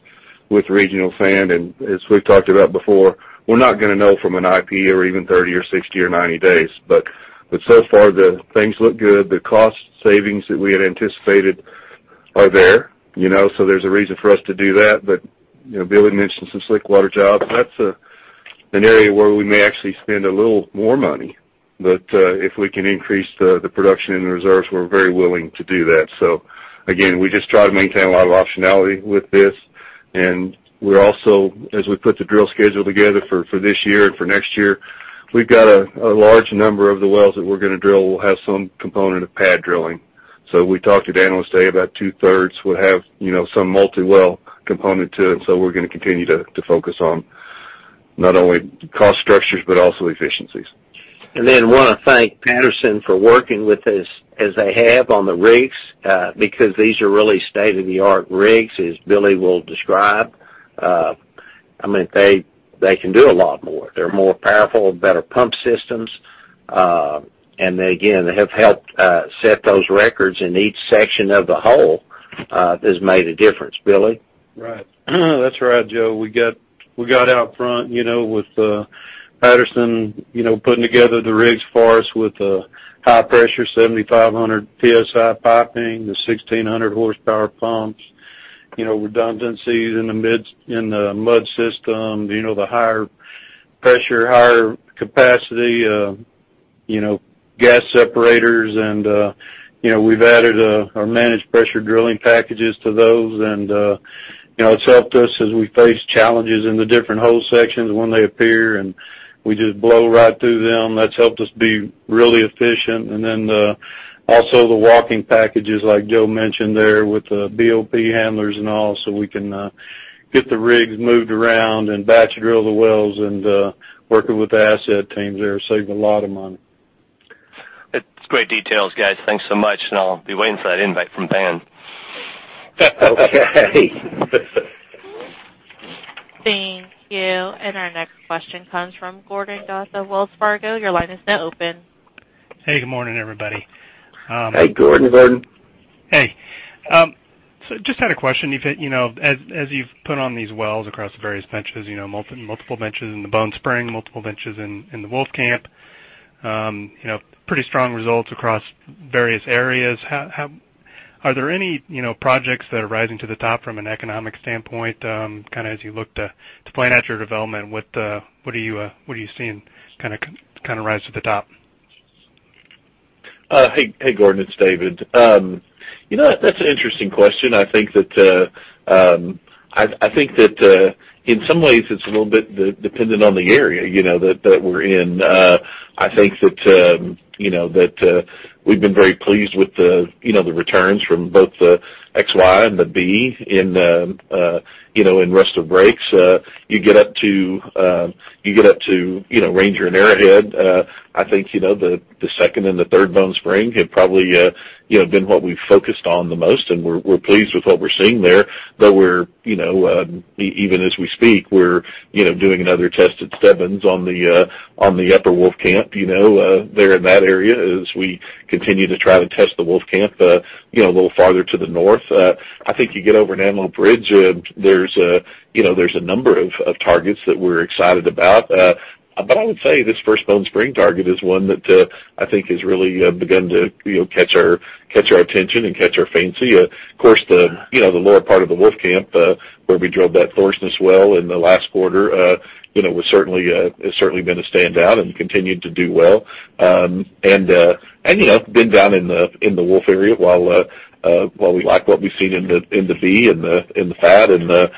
with regional sand, and as we've talked about before, we're not going to know from an IP or even 30 or 60 or 90 days. So far things look good. The cost savings that we had anticipated Are there. There's a reason for us to do that. Billy mentioned some slick water jobs. That's an area where we may actually spend a little more money. If we can increase the production and the reserves, we're very willing to do that. Again, we just try to maintain a lot of optionality with this. We're also, as we put the drill schedule together for this year and for next year, we've got a large number of the wells that we're going to drill will have some component of pad drilling. We talked to Dan, let's say about two-thirds will have some multi-well component to it. We're going to continue to focus on not only cost structures but also efficiencies. Want to thank Patterson-UTI for working with us as they have on the rigs, because these are really state-of-the-art rigs, as Billy will describe. They can do a lot more. They're more powerful, better pump systems. They, again, have helped set those records in each section of the hole, has made a difference. Billy? Right. That's right, Joe. We got out front with Patterson-UTI putting together the rigs for us with a high pressure, 7,500 PSI piping, the 1,600 horsepower pumps, redundancies in the mud system, the higher pressure, higher capacity gas separators. We've added our managed pressure drilling packages to those. It's helped us as we face challenges in the different hole sections when they appear, and we just blow right through them. That's helped us be really efficient. Also the walking packages, like Joe mentioned there with the BOP handlers and all, so we can get the rigs moved around and batch drill the wells and working with the asset teams there, saved a lot of money. That's great details, guys. Thanks so much, I'll be waiting for that invite from Dan. Okay. Thank you. Our next question comes from Gordon Douthat of Wells Fargo. Your line is now open. Hey, good morning, everybody. Hey, Gordon. Hey. Just had a question. As you've put on these wells across various multiple benches in the Bone Spring, multiple benches in the Wolfcamp, pretty strong results across various areas. Are there any projects that are rising to the top from an economic standpoint? As you look to plan out your development, what are you seeing rise to the top? Hey, Gordon, it's David. That's an interesting question. I think that in some ways it's a little bit dependent on the area that we're in. I think that we've been very pleased with the returns from both the XY and the B in Rustler Breaks. You get up to Ranger and Arrowhead, I think, the second and the third Bone Spring have probably been what we've focused on the most, and we're pleased with what we're seeing there. Though even as we speak, we're doing another test at Stebbins on the Upper Wolfcamp, there in that area as we continue to try to test the Wolfcamp a little farther to the north. I think you get over an Antelope Ridge, there's a number of targets that we're excited about. I would say this first Bone Spring target is one that I think has really begun to catch our attention and catch our fancy. Of course, the lower part of the Wolfcamp, where we drilled that Thorsness well in the last quarter has certainly been a standout and continued to do well. Being down in the Wolf area, while we like what we've seen in the V, in the Fad, and the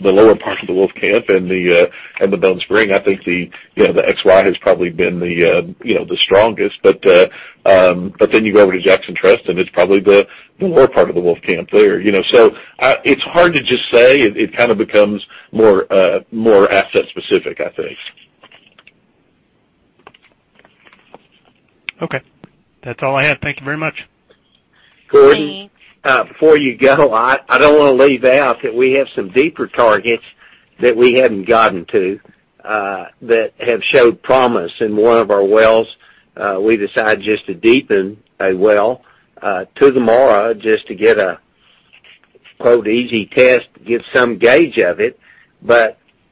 lower part of the Wolfcamp and the Bone Spring, I think the XY has probably been the strongest. You go over to Jackson Trust, and it's probably the lower part of the Wolfcamp there. It's hard to just say. It becomes more asset specific, I think. That's all I have. Thank you very much. Thank you. Gordon, before you go, I don't want to leave out that we have some deeper targets that we haven't gotten to that have showed promise in one of our wells. We decided just to deepen a well to the Morrow just to get a, quote "easy test" to get some gauge of it.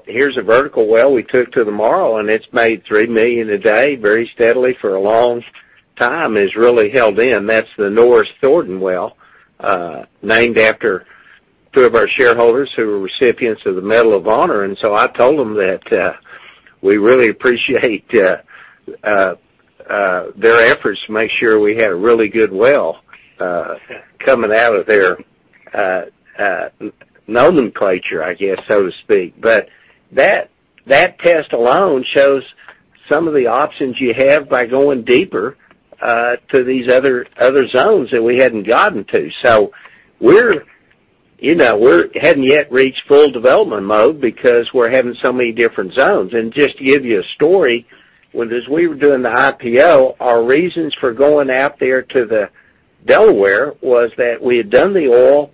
Here's a vertical well we took to the Morrow, and it's made 3 million a day very steadily for a long time, it has really held in. That's the Norris Thornton well, named after two of our shareholders who were recipients of the Medal of Honor. I told them that we really appreciate their efforts to make sure we had a really good well coming out of their nomenclature, I guess, so to speak. That test alone shows some of the options you have by going deeper to these other zones that we hadn't gotten to. We hadn't yet reached full development mode because we're having so many different zones. Just to give you a story, as we were doing the IPO, our reasons for going out there to the Delaware was that we had done the oil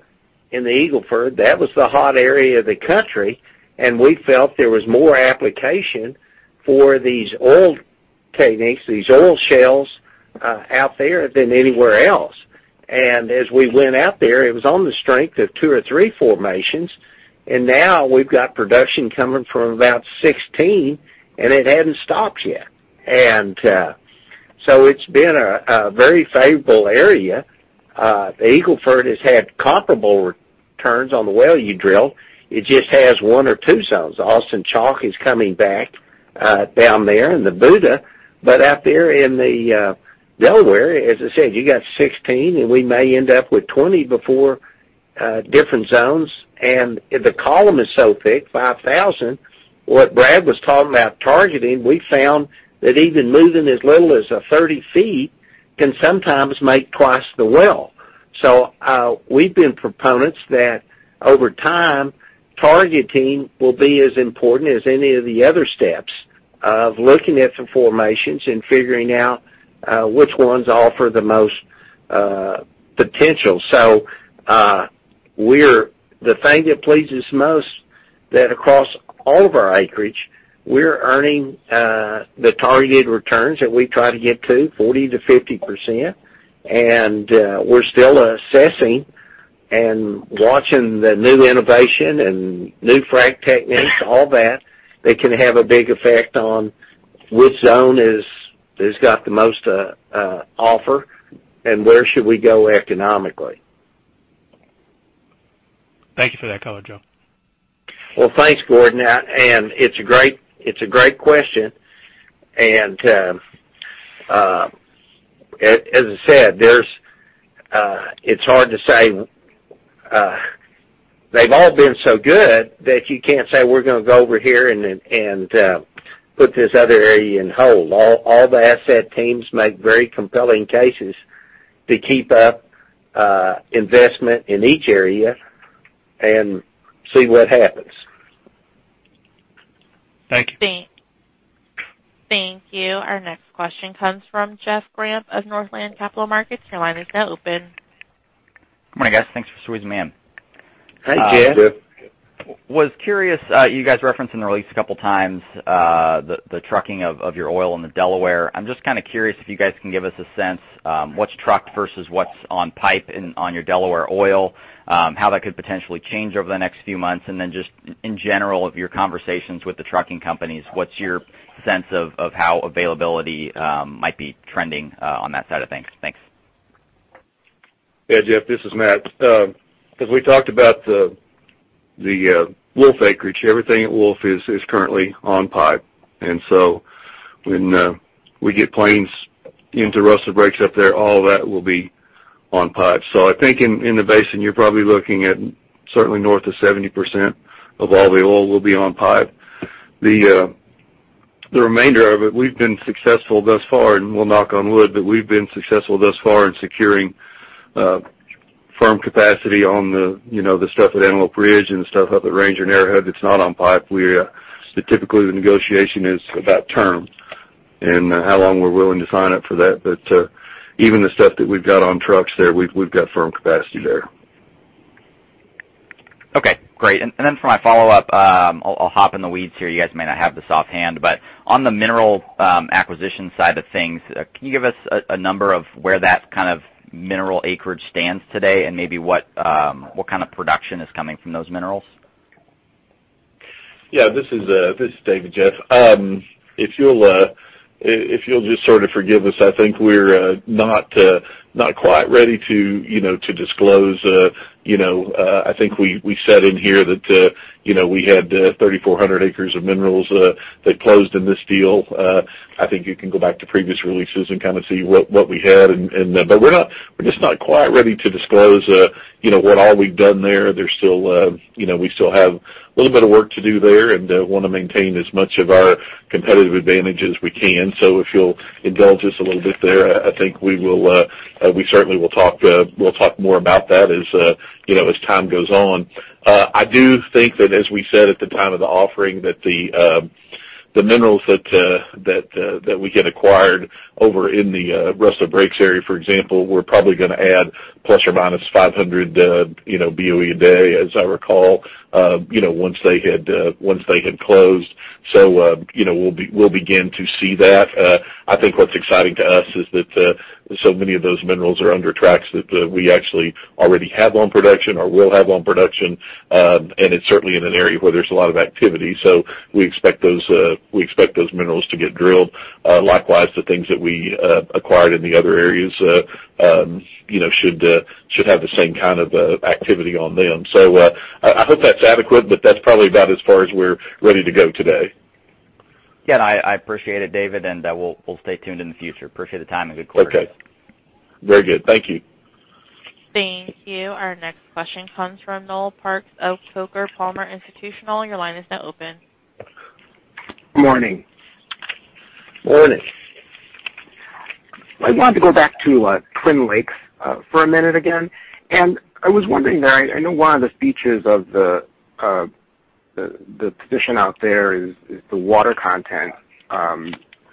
in the Eagle Ford. That was the hot area of the country, and we felt there was more application for these old techniques, these oil shales out there than anywhere else. As we went out there, it was on the strength of 2 or 3 formations, and now we've got production coming from about 16, and it hadn't stopped yet. It's been a very favorable area. The Eagle Ford has had comparable returns on the well you drill. It just has 1 or 2 zones. The Austin Chalk is coming back down there in the Buda, out there in the Delaware, as I said, you got 16, and we may end up with 20 before different zones. If the column is so thick, 5,000, what Brad was talking about targeting, we found that even moving as little as 30 feet can sometimes make twice the well. We've been proponents that over time, targeting will be as important as any of the other steps of looking at the formations and figuring out which ones offer the most potential. The thing that pleases us most, that across all of our acreage, we're earning the targeted returns that we try to get to, 40%-50%, we're still assessing and watching the new innovation and new frack techniques, all that can have a big effect on which zone has got the most to offer and where should we go economically. Thank you for that color, Joe. Thanks, Gordon. It's a great question. As I said, it's hard to say. They've all been so good that you can't say, "We're gonna go over here and put this other area in hold." All the asset teams make very compelling cases to keep up investment in each area and see what happens. Thank you. Thank you. Our next question comes from Jeff Grampp of Northland Capital Markets. Your line is now open. Good morning, guys. Thanks for squeezing me in. Hey, Jeff. Hey, Jeff. I was curious, you guys referenced in the release a couple of times, the trucking of your oil in the Delaware. I'm just curious if you guys can give us a sense of what's trucked versus what's on pipe on your Delaware oil, how that could potentially change over the next few months, and then just in general of your conversations with the trucking companies, what's your sense of how availability might be trending on that side of things? Thanks. Yeah, Jeff, this is Matt. As we talked about the Wolf acreage, everything at Wolf is currently on pipe. When we get Plains into Rustler Breaks up there, all that will be on pipe. I think in the basin, you're probably looking at certainly north of 70% of all the oil will be on pipe. The remainder of it, we've been successful thus far, and we'll knock on wood, but we've been successful thus far in securing firm capacity on the stuff at Antelope Ridge and the stuff up at Ranger and Arrowhead that's not on pipe. Statistically, the negotiation is about term and how long we're willing to sign up for that. Even the stuff that we've got on trucks there, we've got firm capacity there. Okay, great. Then for my follow-up, I'll hop in the weeds here. You guys may not have this offhand, but on the mineral acquisition side of things, can you give us a number of where that mineral acreage stands today and maybe what kind of production is coming from those minerals? Yeah. This is David, Jeff. If you'll just sort of forgive us, I think we're not quite ready to disclose. I think we said in here that we had 3,400 acres of minerals that closed in this deal. I think you can go back to previous releases and see what we had, but we're just not quite ready to disclose what all we've done there. We still have a little bit of work to do there and want to maintain as much of our competitive advantage as we can. If you'll indulge us a little bit there, I think we certainly will talk more about that as time goes on. I do think that as we said at the time of the offering, that the minerals that we had acquired over in the Rustler Breaks area, for example, we're probably going to add plus or minus 500 BOE a day, as I recall, once they had closed. We'll begin to see that. I think what's exciting to us is that so many of those minerals are under tracks that we actually already have on production or will have on production. It's certainly in an area where there's a lot of activity. We expect those minerals to get drilled. Likewise, the things that we acquired in the other areas should have the same kind of activity on them. I hope that's adequate, but that's probably about as far as we're ready to go today. Yeah, I appreciate it, David, and we'll stay tuned in the future. Appreciate the time and good quarter. Okay. Very good. Thank you. Thank you. Our next question comes from Noel Parks of Coker Palmer Institutional. Your line is now open. Morning. Morning. I wanted to go back to Twin Lakes for a minute again, and I was wondering there, I know one of the features of the position out there is the water content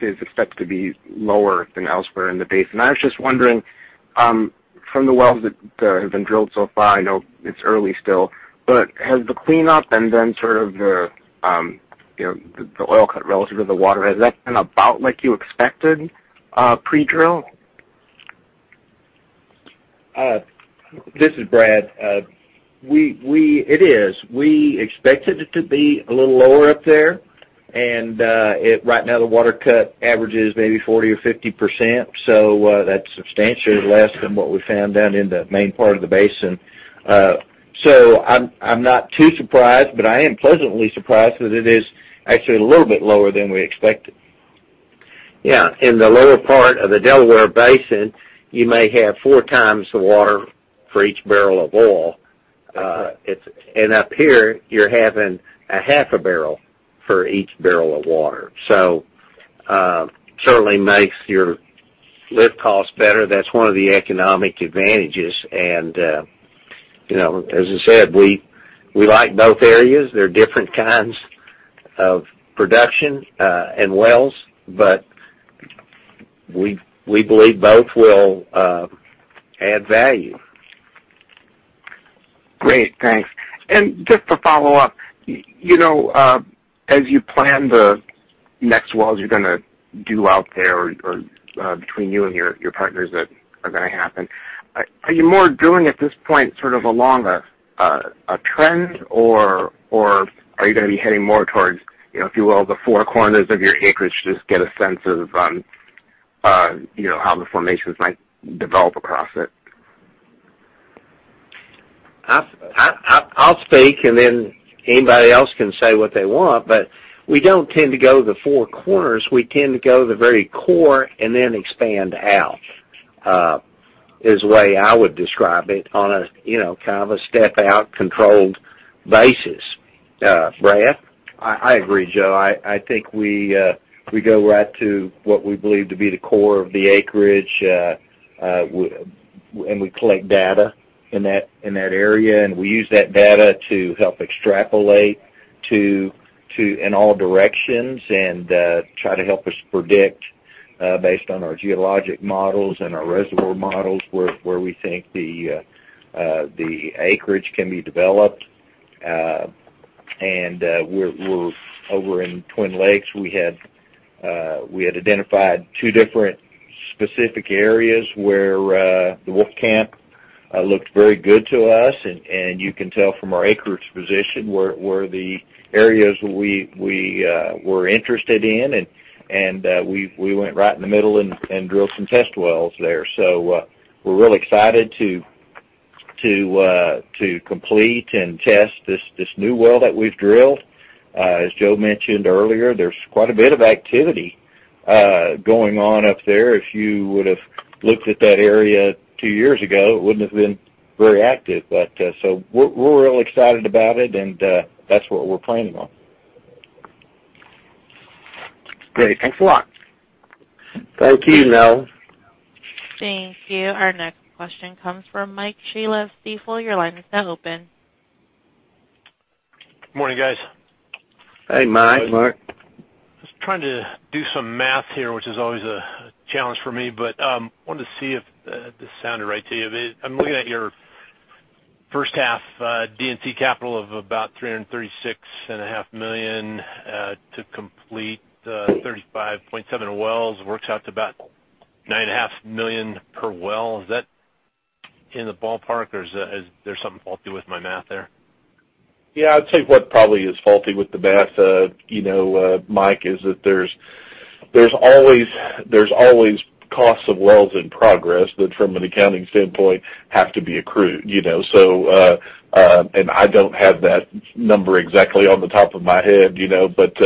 is expected to be lower than elsewhere in the basin. I was just wondering, from the wells that have been drilled so far, I know it's early still, but has the cleanup and then sort of the oil cut relative to the water, has that been about like you expected pre-drill? This is Brad. It is. We expected it to be a little lower up there, and right now the water cut average is maybe 40% or 50%, so that's substantially less than what we found down in the main part of the basin. I'm not too surprised, but I am pleasantly surprised that it is actually a little bit lower than we expected. In the lower part of the Delaware Basin, you may have four times the water for each barrel of oil. That's right. Up here, you're having a half a barrel for each barrel of water. Certainly makes your lift costs better. That's one of the economic advantages. As I said, we like both areas. They're different kinds of production, and wells, but we believe both will add value. Great. Thanks. Just to follow up, as you plan the next wells you're going to do out there, or between you and your partners that are going to happen, are you more doing at this point sort of along a trend, or are you going to be heading more towards, if you will, the four corners of your acreage, just to get a sense of how the formations might develop across it? I'll speak, then anybody else can say what they want. We don't tend to go the four corners. We tend to go the very core, then expand out, is the way I would describe it, on a step-out controlled basis. Brad? I agree, Joe. I think we go right to what we believe to be the core of the acreage. We collect data in that area, and we use that data to help extrapolate in all directions and try to help us predict, based on our geologic models and our reservoir models, where we think the acreage can be developed. Over in Twin Lakes, we had identified two different specific areas where the Wolfcamp looked very good to us, and you can tell from our acreage position, were the areas we were interested in. We went right in the middle and drilled some test wells there. We're real excited to complete and test this new well that we've drilled. As Joe mentioned earlier, there's quite a bit of activity going on up there. If you would've looked at that area two years ago, it wouldn't have been very active. We're real excited about it, that's what we're planning on. Great. Thanks a lot. Thank you, Noel. Thank you. Our next question comes from Mike Thielen of Stifel. Your line is now open. Morning, guys. Hey, Mike. Hey, Mike. Just trying to do some math here, which is always a challenge for me, I wanted to see if this sounded right to you. I'm looking at your first half D&C capital of about $336 and a half million to complete 35.7 wells, works out to about $nine and a half million per well. Is that in the ballpark, or is there something faulty with my math there? Yeah, I'd say what probably is faulty with the math, Mike, is that there's always costs of wells in progress that from an accounting standpoint have to be accrued. I don't have that number exactly off the top of my head, but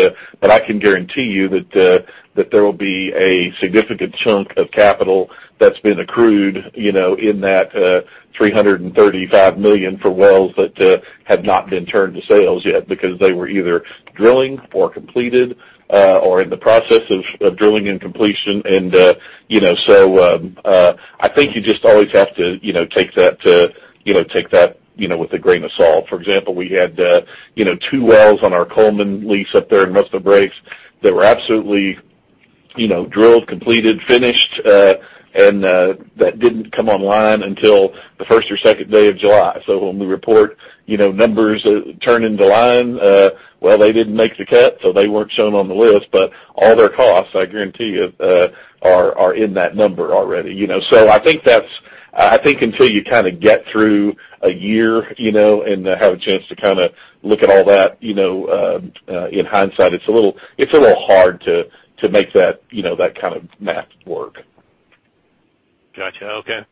I can guarantee you that there will be a significant chunk of capital that's been accrued in that $335 million for wells that have not been turned to sales yet because they were either drilling or completed, or in the process of drilling and completion. I think you just always have to take that with a grain of salt. For example, we had two wells on our Coleman lease up there in Rustler Breaks that were absolutely drilled, completed, finished, that didn't come online until the first or second day of July. When we report numbers turned into line, well, they didn't make the cut, they weren't shown on the list. All their costs, I guarantee you, are in that number already. I think until you get through a year, and have a chance to look at all that in hindsight, it's a little hard to make that kind of math work. Got you. Okay.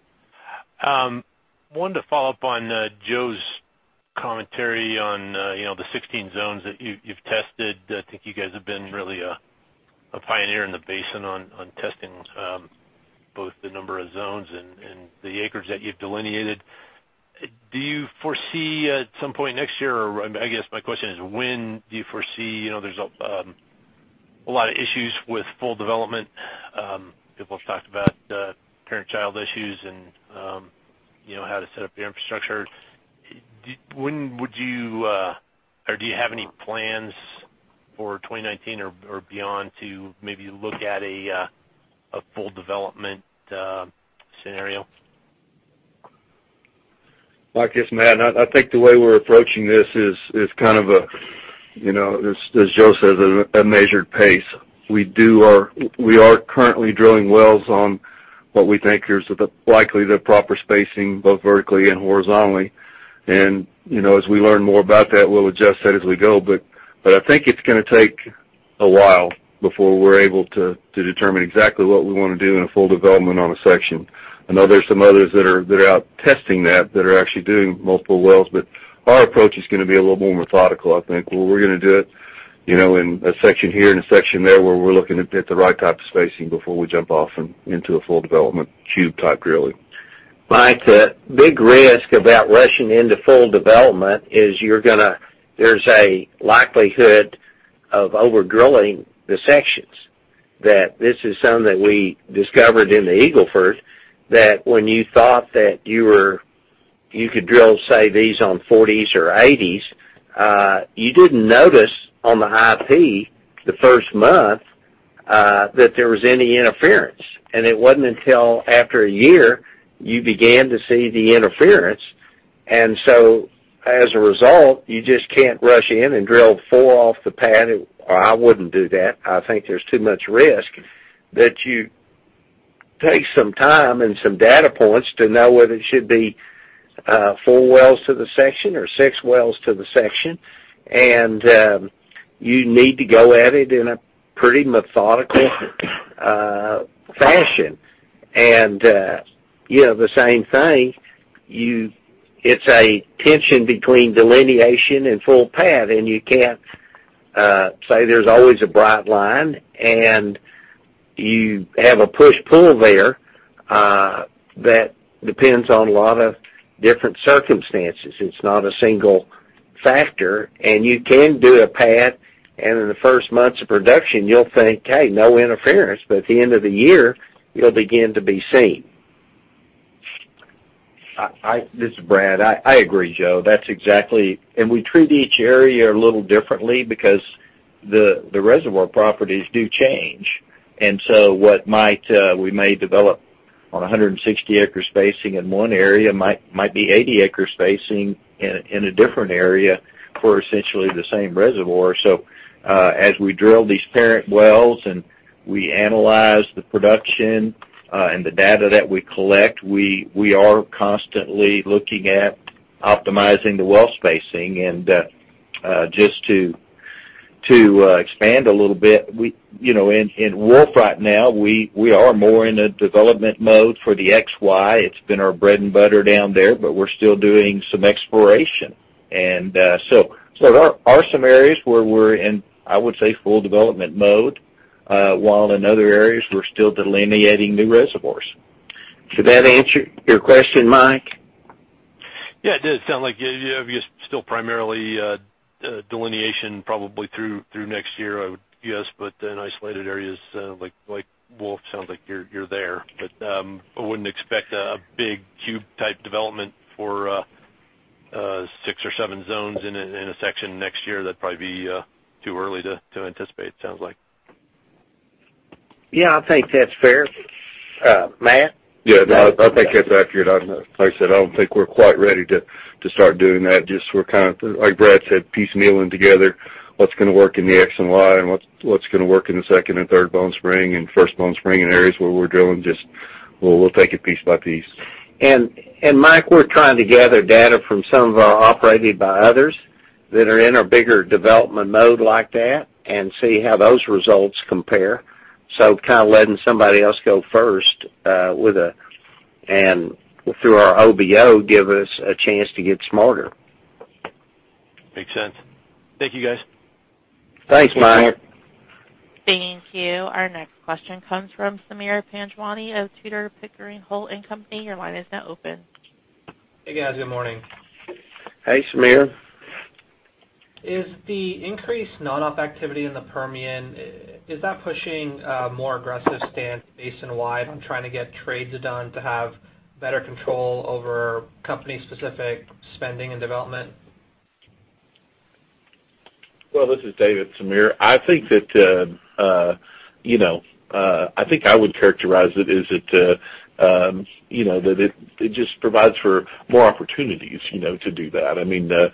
Wanted to follow up on Joe's commentary on the 16 zones that you've tested. I think you guys have been really a pioneer in the basin on testing both the number of zones and the acreage that you've delineated. Do you foresee at some point next year, or, I guess my question is, when do you foresee There's a lot of issues with full development. People have talked about parent-child issues and how to set up your infrastructure. Do you have any plans for 2019 or beyond to maybe look at a full development scenario? Mike, it's Matt. I think the way we're approaching this is, as Joe says, at a measured pace. We are currently drilling wells on what we think is likely the proper spacing, both vertically and horizontally. As we learn more about that, we'll adjust that as we go. I think it's going to take a while before we're able to determine exactly what we want to do in a full development on a section. I know there's some others that are out testing that are actually doing multiple wells, our approach is going to be a little more methodical, I think, where we're going to do it in a section here and a section there, where we're looking at the right type of spacing before we jump off into a full development cube-type drilling. Mike, the big risk about rushing into full development is there's a likelihood of over-drilling the sections. That this is something that we discovered in the Eagle Ford, that when you thought that you could drill, say, these on 40s or 80s, you didn't notice on the high P the first month that there was any interference, it wasn't until after a year, you began to see the interference. As a result, you just can't rush in and drill four off the pad. I wouldn't do that. I think there's too much risk that you take some time and some data points to know whether it should be four wells to the section or six wells to the section. You need to go at it in a pretty methodical fashion. The same thing, it's a tension between delineation and full pad, you can't say there's always a bright line, you have a push-pull there that depends on a lot of different circumstances. It's not a single factor, you can do a pad, in the first months of production you'll think, "Hey, no interference." At the end of the year it'll begin to be seen. This is Brad. I agree, Joe. We treat each area a little differently because the reservoir properties do change. What we may develop on 160-acre spacing in one area might be 80-acre spacing in a different area for essentially the same reservoir. As we drill these parent wells and we analyze the production and the data that we collect, we are constantly looking at optimizing the well spacing. Just to expand a little bit, in Wolf right now, we are more in a development mode for the XY. It's been our bread and butter down there, but we're still doing some exploration. There are some areas where we're in, I would say, full development mode, while in other areas we're still delineating new reservoirs. Did that answer your question, Mike? Yeah, it did. It sounds like you're still primarily delineation probably through next year, I would guess, but in isolated areas like Wolf, sounds like you're there, but I wouldn't expect a big cube-type development for six or seven zones in a section next year. That'd probably be too early to anticipate, it sounds like. Yeah, I think that's fair. Matt? Yeah, no, I think that's accurate. Like I said, I don't think we're quite ready to start doing that. We're kind of, like Brad said, piecemealing together what's going to work in the XY and what's going to work in the second and third Bone Spring and first Bone Spring in areas where we're drilling. We'll take it piece by piece. Mike, we're trying to gather data from some of our operated by others that are in a bigger development mode like that and see how those results compare. Letting somebody else go first and through our OBO, give us a chance to get smarter. Makes sense. Thank you, guys. Thanks, Mike. Thank you. Our next question comes from Sameer Panjwani of Tudor, Pickering, Holt & Co. Your line is now open. Hey, guys. Good morning. Hey, Sameer. Is the increased non-op activity in the Permian, is that pushing a more aggressive stance basin wide on trying to get trades done to have better control over company-specific spending and development? Well, this is David. Sameer, I think I would characterize it is that it just provides for more opportunities to do that.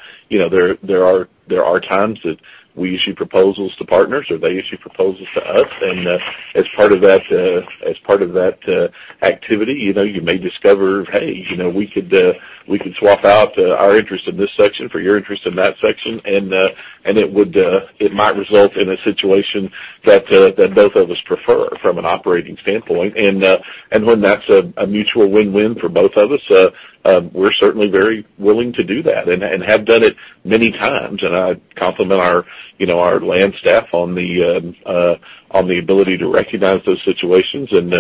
There are times that we issue proposals to partners or they issue proposals to us, and as part of that activity, you may discover, hey, we could swap out our interest in this section for your interest in that section, and it might result in a situation that both of us prefer from an operating standpoint. When that's a mutual win-win for both of us, we're certainly very willing to do that and have done it many times, and I compliment our land staff on the ability to recognize those situations and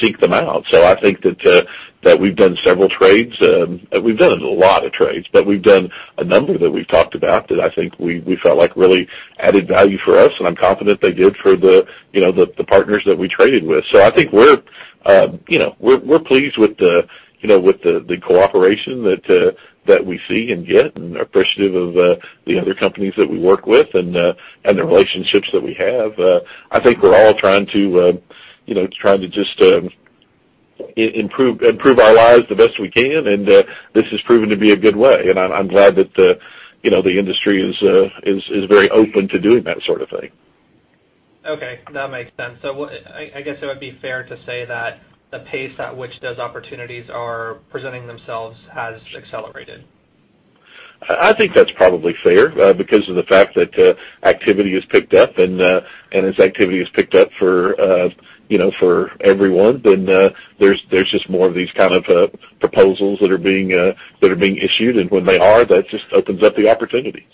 seek them out. I think that we've done several trades. We've done a lot of trades, but we've done a number that we've talked about that I think we felt like really added value for us, and I'm confident they did for the partners that we traded with. I think we're pleased with the cooperation that we see and get and appreciative of the other companies that we work with and the relationships that we have. I think we're all trying to just improve our lives the best we can, and this has proven to be a good way. I'm glad that the industry is very open to doing that sort of thing. Okay, that makes sense. I guess it would be fair to say that the pace at which those opportunities are presenting themselves has accelerated. I think that's probably fair because of the fact that activity has picked up, and as activity has picked up for everyone, then there's just more of these kind of proposals that are being issued. When they are, that just opens up the opportunities.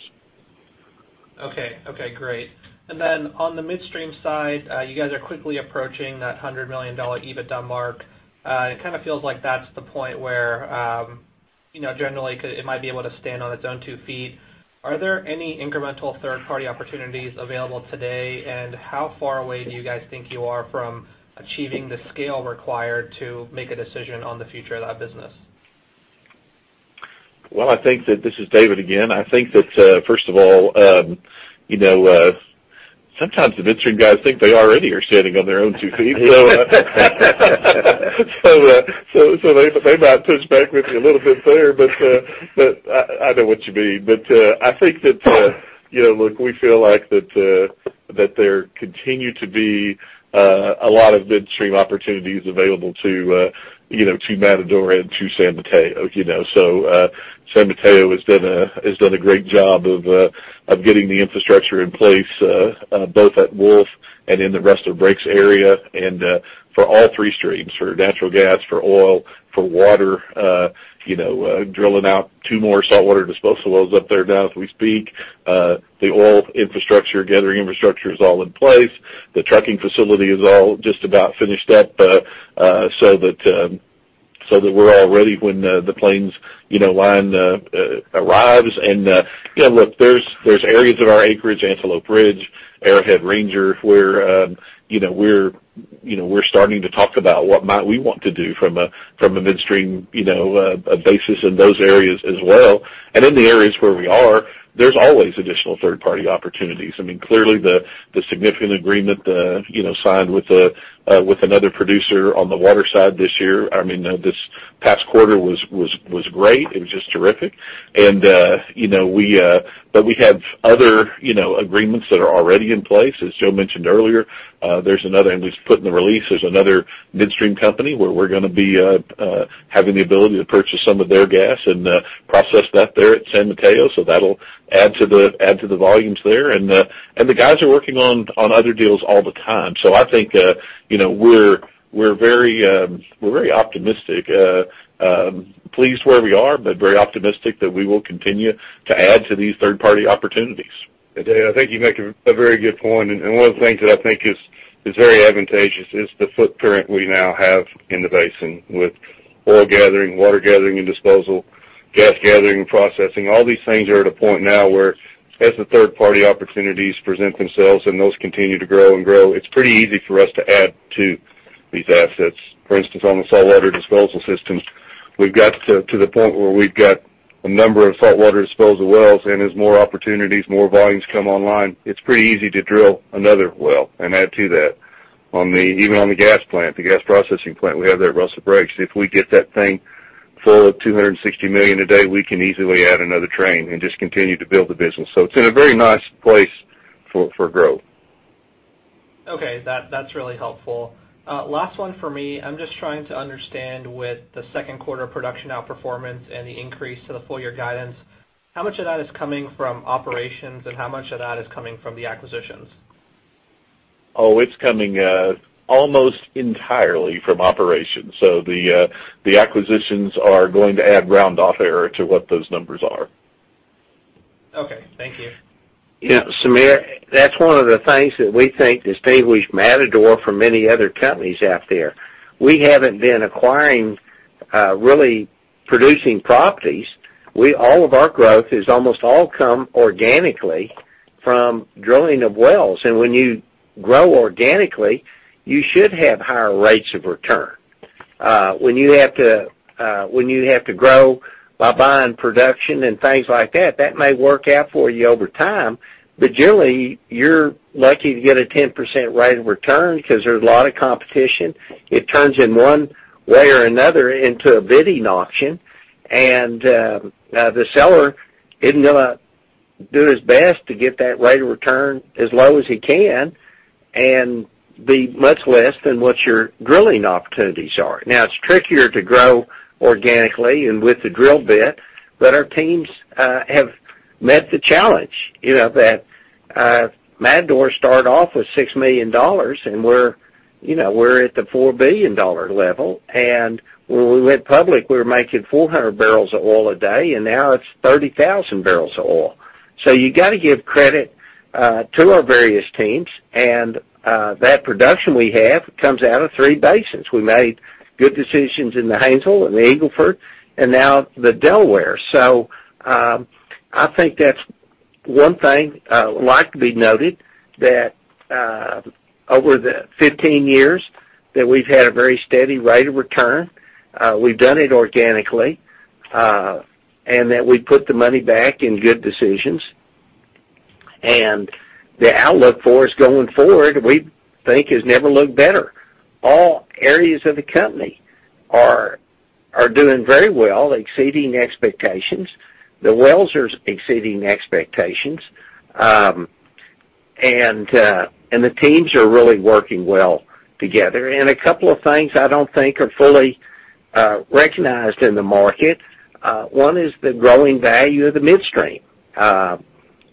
Okay, great. On the midstream side, you guys are quickly approaching that $100 million EBITDA mark. It kind of feels like that's the point where, generally, it might be able to stand on its own two feet. Are there any incremental third-party opportunities available today? How far away do you guys think you are from achieving the scale required to make a decision on the future of that business? Well, this is David again. I think that, first of all, sometimes the midstream guys think they already are standing on their own two feet. They might push back with me a little bit there, but I know what you mean. I think that, look, we feel like that there continue to be a lot of midstream opportunities available to Matador and to San Mateo. San Mateo has done a great job of getting the infrastructure in place both at Wolf and in the Rustler Breaks area, for all three streams, for natural gas, for oil, for water, drilling out two more saltwater disposal wells up there now as we speak. The oil infrastructure, gathering infrastructure is all in place. The trucking facility is all just about finished up so that we're all ready when the Plains line arrives. Look, there's areas of our acreage, Antelope Ridge, Arrowhead Ranger, where we're starting to talk about what might we want to do from a midstream basis in those areas as well. In the areas where we are, there's always additional third-party opportunities. Clearly, the significant agreement signed with another producer on the water side this year, this past quarter was great. It was just terrific. We have other agreements that are already in place. As Joe mentioned earlier, there's another, and we've put in the release, there's another midstream company where we're going to be having the ability to purchase some of their gas and process that there at San Mateo, that'll add to the volumes there. The guys are working on other deals all the time. I think we're very optimistic. Pleased where we are, very optimistic that we will continue to add to these third-party opportunities. David, I think you make a very good point, and one of the things that I think is very advantageous is the footprint we now have in the basin with oil gathering, water gathering and disposal, gas gathering, processing. All these things are at a point now where as the third-party opportunities present themselves and those continue to grow and grow, it's pretty easy for us to add to these assets. For instance, on the saltwater disposal systems, we've got to the point where we've got a number of saltwater disposal wells, and as more opportunities, more volumes come online, it's pretty easy to drill another well and add to that. Even on the gas plant, the gas processing plant we have there at Rustler Breaks, if we get that thing full of 260 million a day, we can easily add another train and just continue to build the business. It's in a very nice place for growth. Okay, that's really helpful. Last one for me. I'm just trying to understand with the second quarter production outperformance and the increase to the full year guidance, how much of that is coming from operations and how much of that is coming from the acquisitions? It's coming almost entirely from operations. The acquisitions are going to add round off error to what those numbers are. Okay. Thank you. Sameer, that's one of the things that we think distinguishes Matador from many other companies out there. We haven't been acquiring really producing properties. All of our growth is almost all come organically from drilling of wells. When you grow organically, you should have higher rates of return. Generally, you're lucky to get a 10% rate of return because there's a lot of competition. It turns in one way or another into a bidding auction, the seller is going to do his best to get that rate of return as low as he can and be much less than what your drilling opportunities are. It's trickier to grow organically and with the drill bit, our teams have met the challenge. Matador started off with $6 million, we're at the $4 billion level. When we went public, we were making 400 barrels of oil a day, now it's 30,000 barrels of oil. You got to give credit to our various teams, that production we have comes out of three basins. We made good decisions in the Haynesville and the Eagle Ford, now the Delaware. I think that's one thing like to be noted, that over the 15 years that we've had a very steady rate of return, we've done it organically, that we put the money back in good decisions. The outlook for us going forward, we think has never looked better. All areas of the company are doing very well, exceeding expectations. The wells are exceeding expectations. The teams are really working well together. A couple of things I don't think are fully recognized in the market, one is the growing value of the midstream.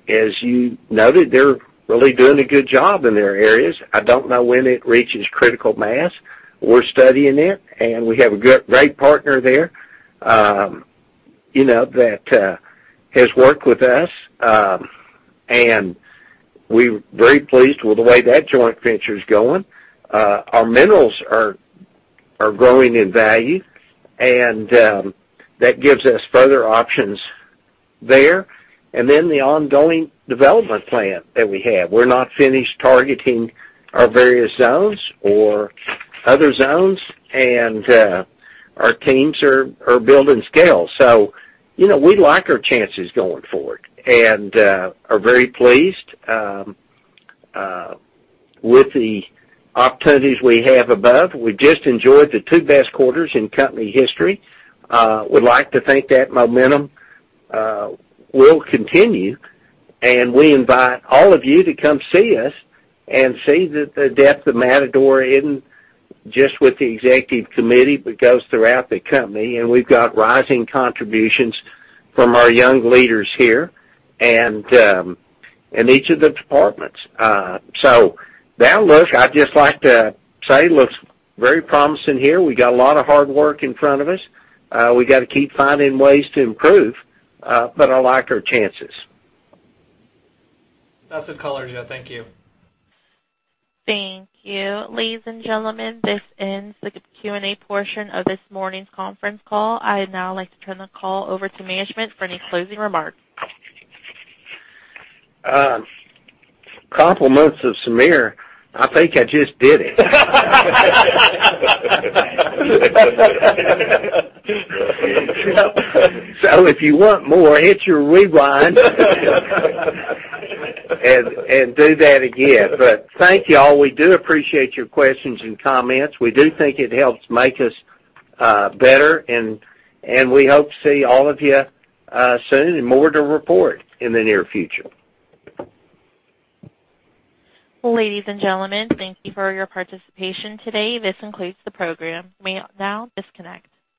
As you noted, they're really doing a good job in their areas. I don't know when it reaches critical mass. We're studying it, we have a great partner there that has worked with us. We're very pleased with the way that joint venture is going. Our minerals are growing in value, that gives us further options there. The ongoing development plan that we have. We're not finished targeting our various zones or other zones, our teams are building scale. We like our chances going forward and are very pleased with the opportunities we have above. We just enjoyed the two best quarters in company history. We would like to think that momentum will continue. We invite all of you to come see us and see that the depth of Matador isn't just with the executive committee, but goes throughout the company. We've got rising contributions from our young leaders here and in each of the departments. The outlook, I'd just like to say, looks very promising here. We got a lot of hard work in front of us. We got to keep finding ways to improve, but I like our chances. That's good color, Joe. Thank you. Thank you. Ladies and gentlemen, this ends the Q&A portion of this morning's conference call. I'd now like to turn the call over to management for any closing remarks. Compliments of Sameer, I think I just did it. If you want more, hit your rewind and do that again. Thank you all. We do appreciate your questions and comments. We do think it helps make us better. We hope to see all of you soon. More to report in the near future. Ladies and gentlemen, thank you for your participation today. This concludes the program. You may now disconnect.